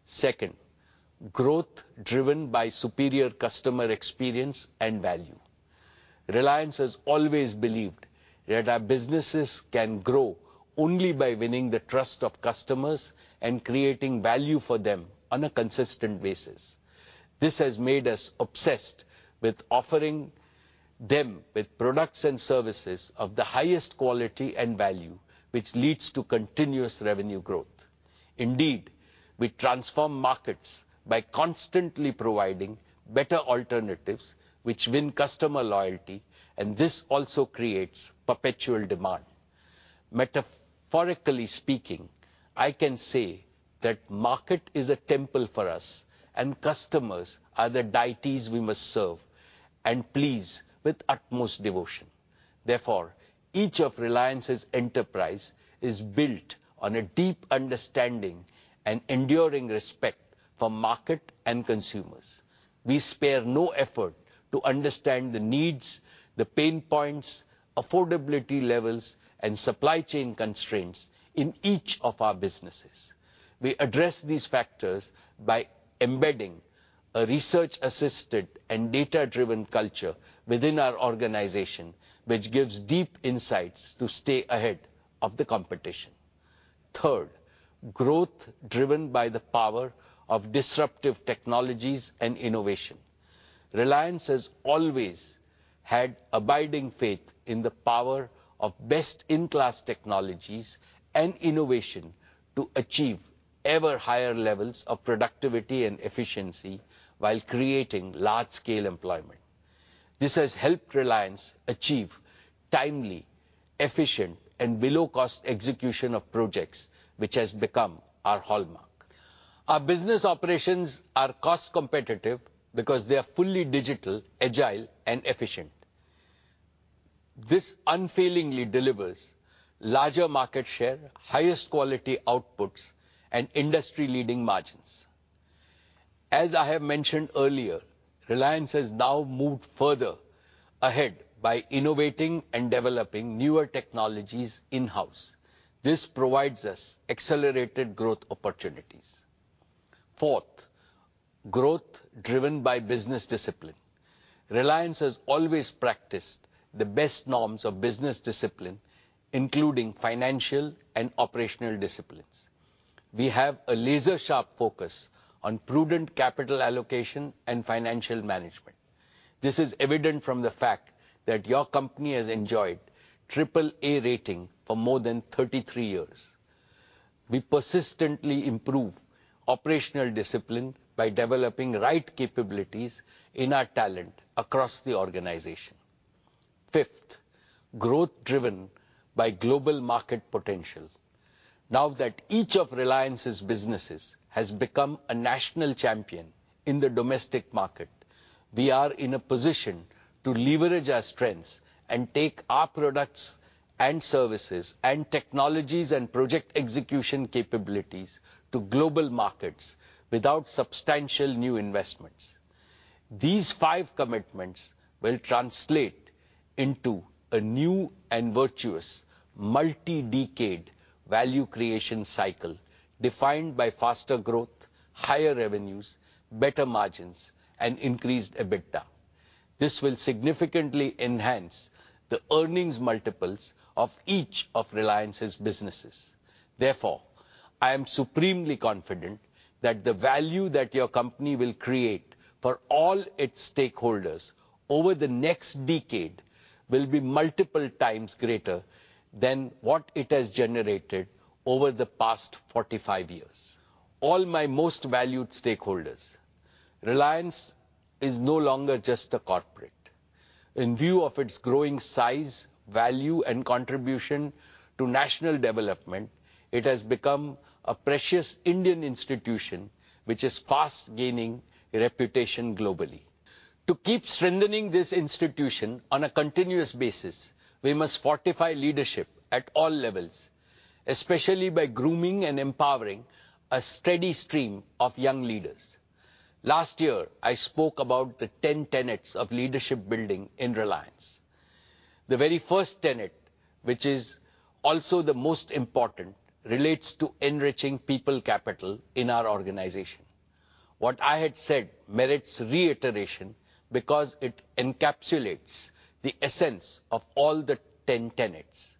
Second, growth driven by superior customer experience and value. Reliance has always believed that our businesses can grow only by winning the trust of customers and creating value for them on a consistent basis. This has made us obsessed with offering them with products and services of the highest quality and value, which leads to continuous revenue growth. Indeed, we transform markets by constantly providing better alternatives, which win customer loyalty, and this also creates perpetual demand. Metaphorically speaking, I can say that market is a temple for us, and customers are the deities we must serve and please with utmost devotion. Therefore, each of Reliance's enterprises is built on a deep understanding and enduring respect for market and consumers. We spare no effort to understand the needs, the pain points, affordability levels, and supply chain constraints in each of our businesses. We address these factors by embedding a research-assisted and data-driven culture within our organization, which gives deep insights to stay ahead of the competition. Third, growth driven by the power of disruptive technologies and innovation. Reliance has always had abiding faith in the power of best-in-class technologies and innovation to achieve ever higher levels of productivity and efficiency while creating large-scale employment. This has helped Reliance achieve timely, efficient, and below-cost execution of projects, which has become our hallmark. Our business operations are cost competitive because they are fully digital, agile, and efficient. This unfailingly delivers larger market share, highest quality outputs, and industry-leading margins. As I have mentioned earlier, Reliance has now moved further ahead by innovating and developing newer technologies in-house. This provides us accelerated growth opportunities. Fourth, growth driven by business discipline. Reliance has always practiced the best norms of business discipline, including financial and operational disciplines. We have a laser-sharp focus on prudent capital allocation and financial management. This is evident from the fact that your company has enjoyed triple A rating for more than 33 years. We persistently improve operational discipline by developing the right capabilities in our talent across the organization. Fifth, growth driven by global market potential. Now that each of Reliance's businesses has become a national champion in the domestic market, we are in a position to leverage our strengths and take our products and services and technologies and project execution capabilities to global markets without substantial new investments. These five commitments will translate into a new and virtuous multi-decade value creation cycle, defined by faster growth, higher revenues, better margins, and increased EBITDA. This will significantly enhance the earnings multiples of each of Reliance's businesses. Therefore, I am supremely confident that the value that your company will create for all its stakeholders over the next decade will be multiple times greater than what it has generated over the past 45 years. All my most valued stakeholders, Reliance is no longer just a corporate. In view of its growing size, value, and contribution to national development, it has become a precious Indian institution, which is fast gaining a reputation globally. To keep strengthening this institution on a continuous basis, we must fortify leadership at all levels, especially by grooming and empowering a steady stream of young leaders. Last year, I spoke about the ten tenets of leadership building in Reliance. The very first tenet, which is also the most important, relates to enriching people capital in our organization. What I had said merits reiteration because it encapsulates the essence of all the ten tenets.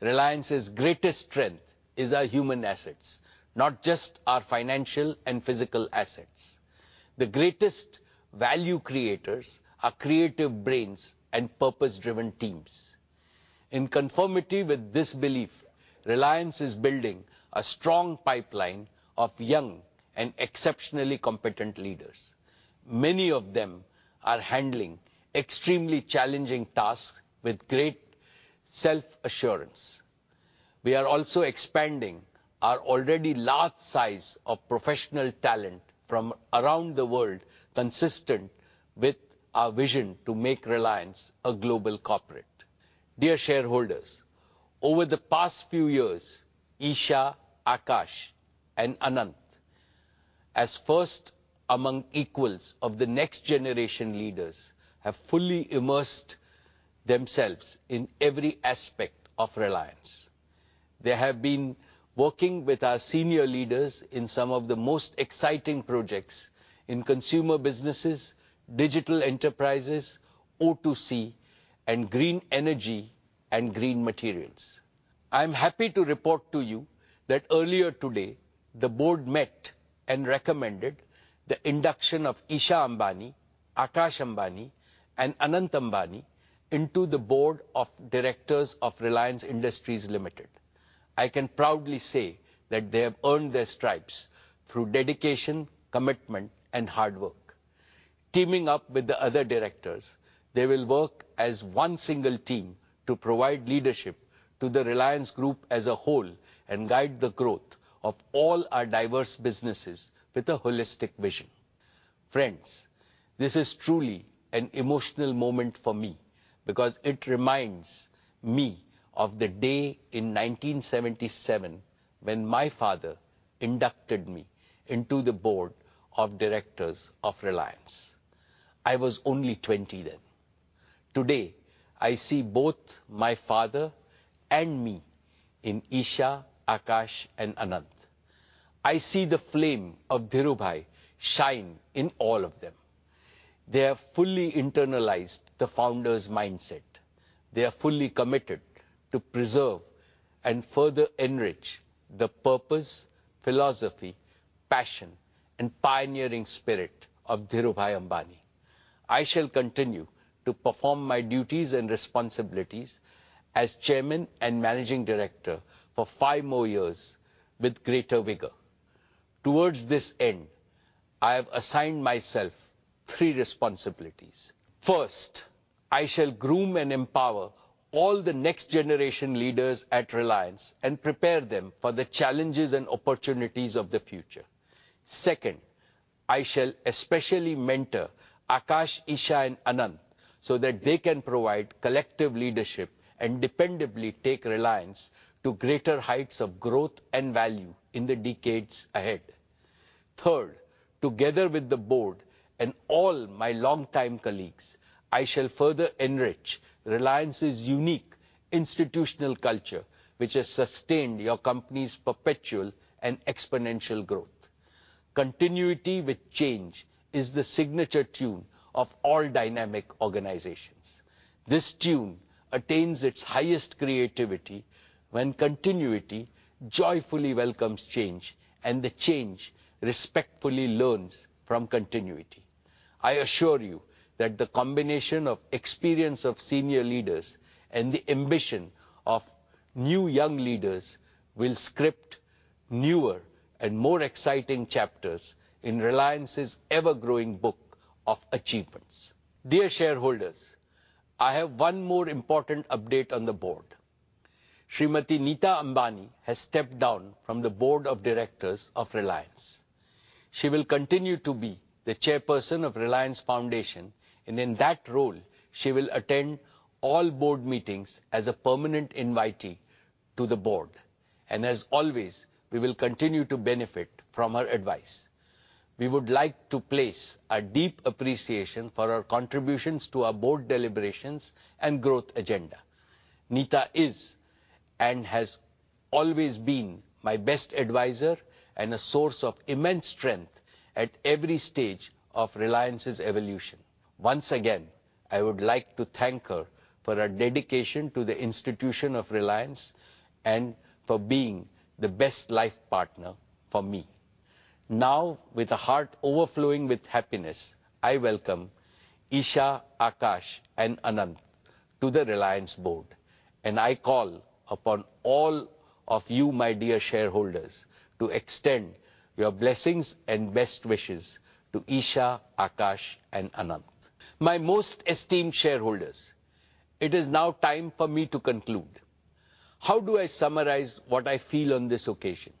Reliance's greatest strength is our human assets, not just our financial and physical assets. The greatest value creators are creative brains and purpose-driven teams. In conformity with this belief, Reliance is building a strong pipeline of young and exceptionally competent leaders. Many of them are handling extremely challenging tasks with great self-assurance. We are also expanding our already large size of professional talent from around the world, consistent with our vision to make Reliance a global corporate. Dear shareholders, over the past few years, Isha, Akash, and Anant, as first among equals of the next generation leaders, have fully immersed themselves in every aspect of Reliance. They have been working with our senior leaders in some of the most exciting projects in consumer businesses, digital enterprises, O2C, and green energy and green materials. I'm happy to report to you that earlier today, the board met and recommended the induction of Isha Ambani, Akash Ambani, and Anant Ambani into the Board of Directors of Reliance Industries Limited. I can proudly say that they have earned their stripes through dedication, commitment, and hard work. Teaming up with the other directors, they will work as one single team to provide leadership to the Reliance group as a whole, and guide the growth of all our diverse businesses with a holistic vision. Friends, this is truly an emotional moment for me, because it reminds me of the day in 1977 when my father inducted me into the Board of Directors of Reliance. I was only 20 then. Today, I see both my father and me in Isha, Akash, and Anant. I see the flame of Dhirubhai shine in all of them. They have fully internalized the founder's mindset. They are fully committed to preserve and further enrich the purpose, philosophy, passion, and pioneering spirit of Dhirubhai Ambani. I shall continue to perform my duties and responsibilities as chairman and managing director for five more years with greater vigor. Towards this end, I have assigned myself three responsibilities. First, I shall groom and empower all the next generation leaders at Reliance, and prepare them for the challenges and opportunities of the future. Second, I shall especially mentor Akash, Isha, and Anant so that they can provide collective leadership and dependably take Reliance to greater heights of growth and value in the decades ahead. Third, together with the board and all my longtime colleagues, I shall further enrich Reliance's unique institutional culture, which has sustained your company's perpetual and exponential growth. Continuity with change is the signature tune of all dynamic organizations. This tune attains its highest creativity when continuity joyfully welcomes change, and the change respectfully learns from continuity. I assure you that the combination of experience of senior leaders and the ambition of new young leaders will script newer and more exciting chapters in Reliance's ever-growing book of achievements. Dear shareholders, I have one more important update on the board. Srimati Nita Ambani has stepped down from the Board of Directors of Reliance. She will continue to be the chairperson of Reliance Foundation, and in that role, she will attend all board meetings as a permanent invitee to the board. And as always, we will continue to benefit from her advice. We would like to place our deep appreciation for her contributions to our board deliberations and growth agenda. Nita is, and has always been, my best advisor and a source of immense strength at every stage of Reliance's evolution. Once again, I would like to thank her for her dedication to the institution of Reliance, and for being the best life partner for me. Now, with a heart overflowing with happiness, I welcome Isha, Akash, and Anant to the Reliance board, and I call upon all of you, my dear shareholders, to extend your blessings and best wishes to Isha, Akash, and Anant. My most esteemed shareholders, it is now time for me to conclude. How do I summarize what I feel on this occasion?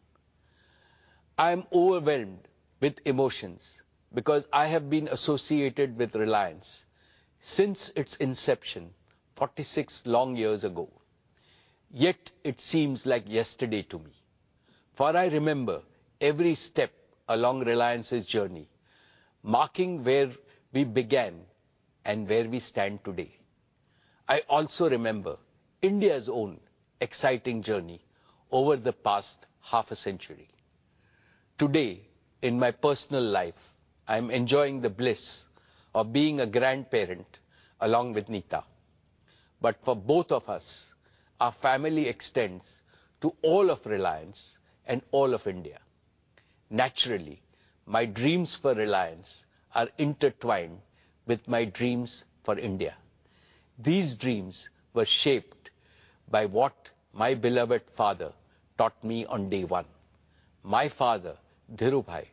I am overwhelmed with emotions because I have been associated with Reliance since its inception 46 long years ago. Yet, it seems like yesterday to me, for I remember every step along Reliance's journey, marking where we began and where we stand today. I also remember India's own exciting journey over the past half a century. Today, in my personal life, I'm enjoying the bliss of being a grandparent, along with Nita. But for both of us, our family extends to all of Reliance and all of India. Naturally, my dreams for Reliance are intertwined with my dreams for India. These dreams were shaped by what my beloved father taught me on day one. My father, Dhirubhai,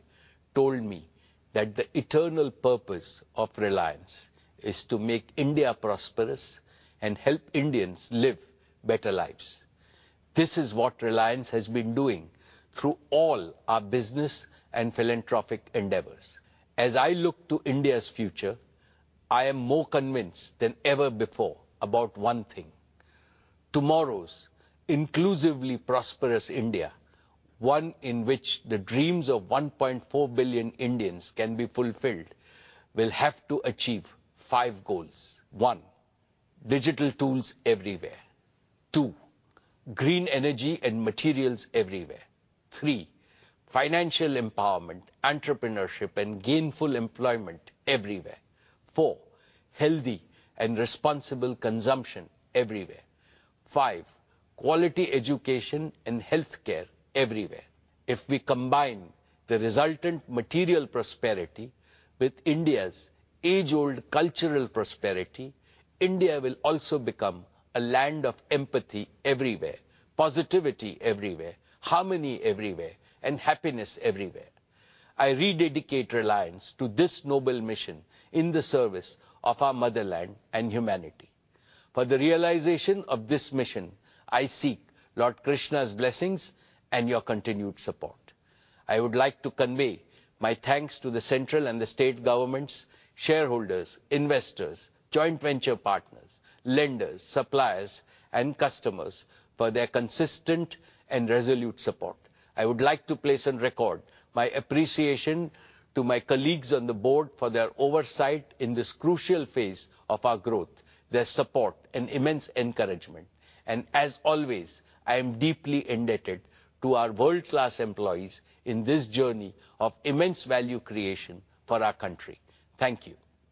told me that the eternal purpose of Reliance is to make India prosperous and help Indians live better lives. This is what Reliance has been doing through all our business and philanthropic endeavors. As I look to India's future, I am more convinced than ever before about one thing: tomorrow's inclusively prosperous India, one in which the dreams of 1.4 billion Indians can be fulfilled, will have to achieve five goals. One, digital tools everywhere. Two, green energy and materials everywhere. Three, financial empowerment, entrepreneurship, and gainful employment everywhere. Four, healthy and responsible consumption everywhere. Five, quality education and healthcare everywhere. If we combine the resultant material prosperity with India's age-old cultural prosperity, India will also become a land of empathy everywhere, positivity everywhere, harmony everywhere, and happiness everywhere. I rededicate Reliance to this noble mission in the service of our motherland and humanity. For the realization of this mission, I seek Lord Krishna's blessings and your continued support. I would like to convey my thanks to the central and the state governments, shareholders, investors, joint venture partners, lenders, suppliers, and customers for their consistent and resolute support. I would like to place on record my appreciation to my colleagues on the board for their oversight in this crucial phase of our growth, their support, and immense encouragement. As always, I am deeply indebted to our world-class employees in this journey of immense value creation for our country. Thank you!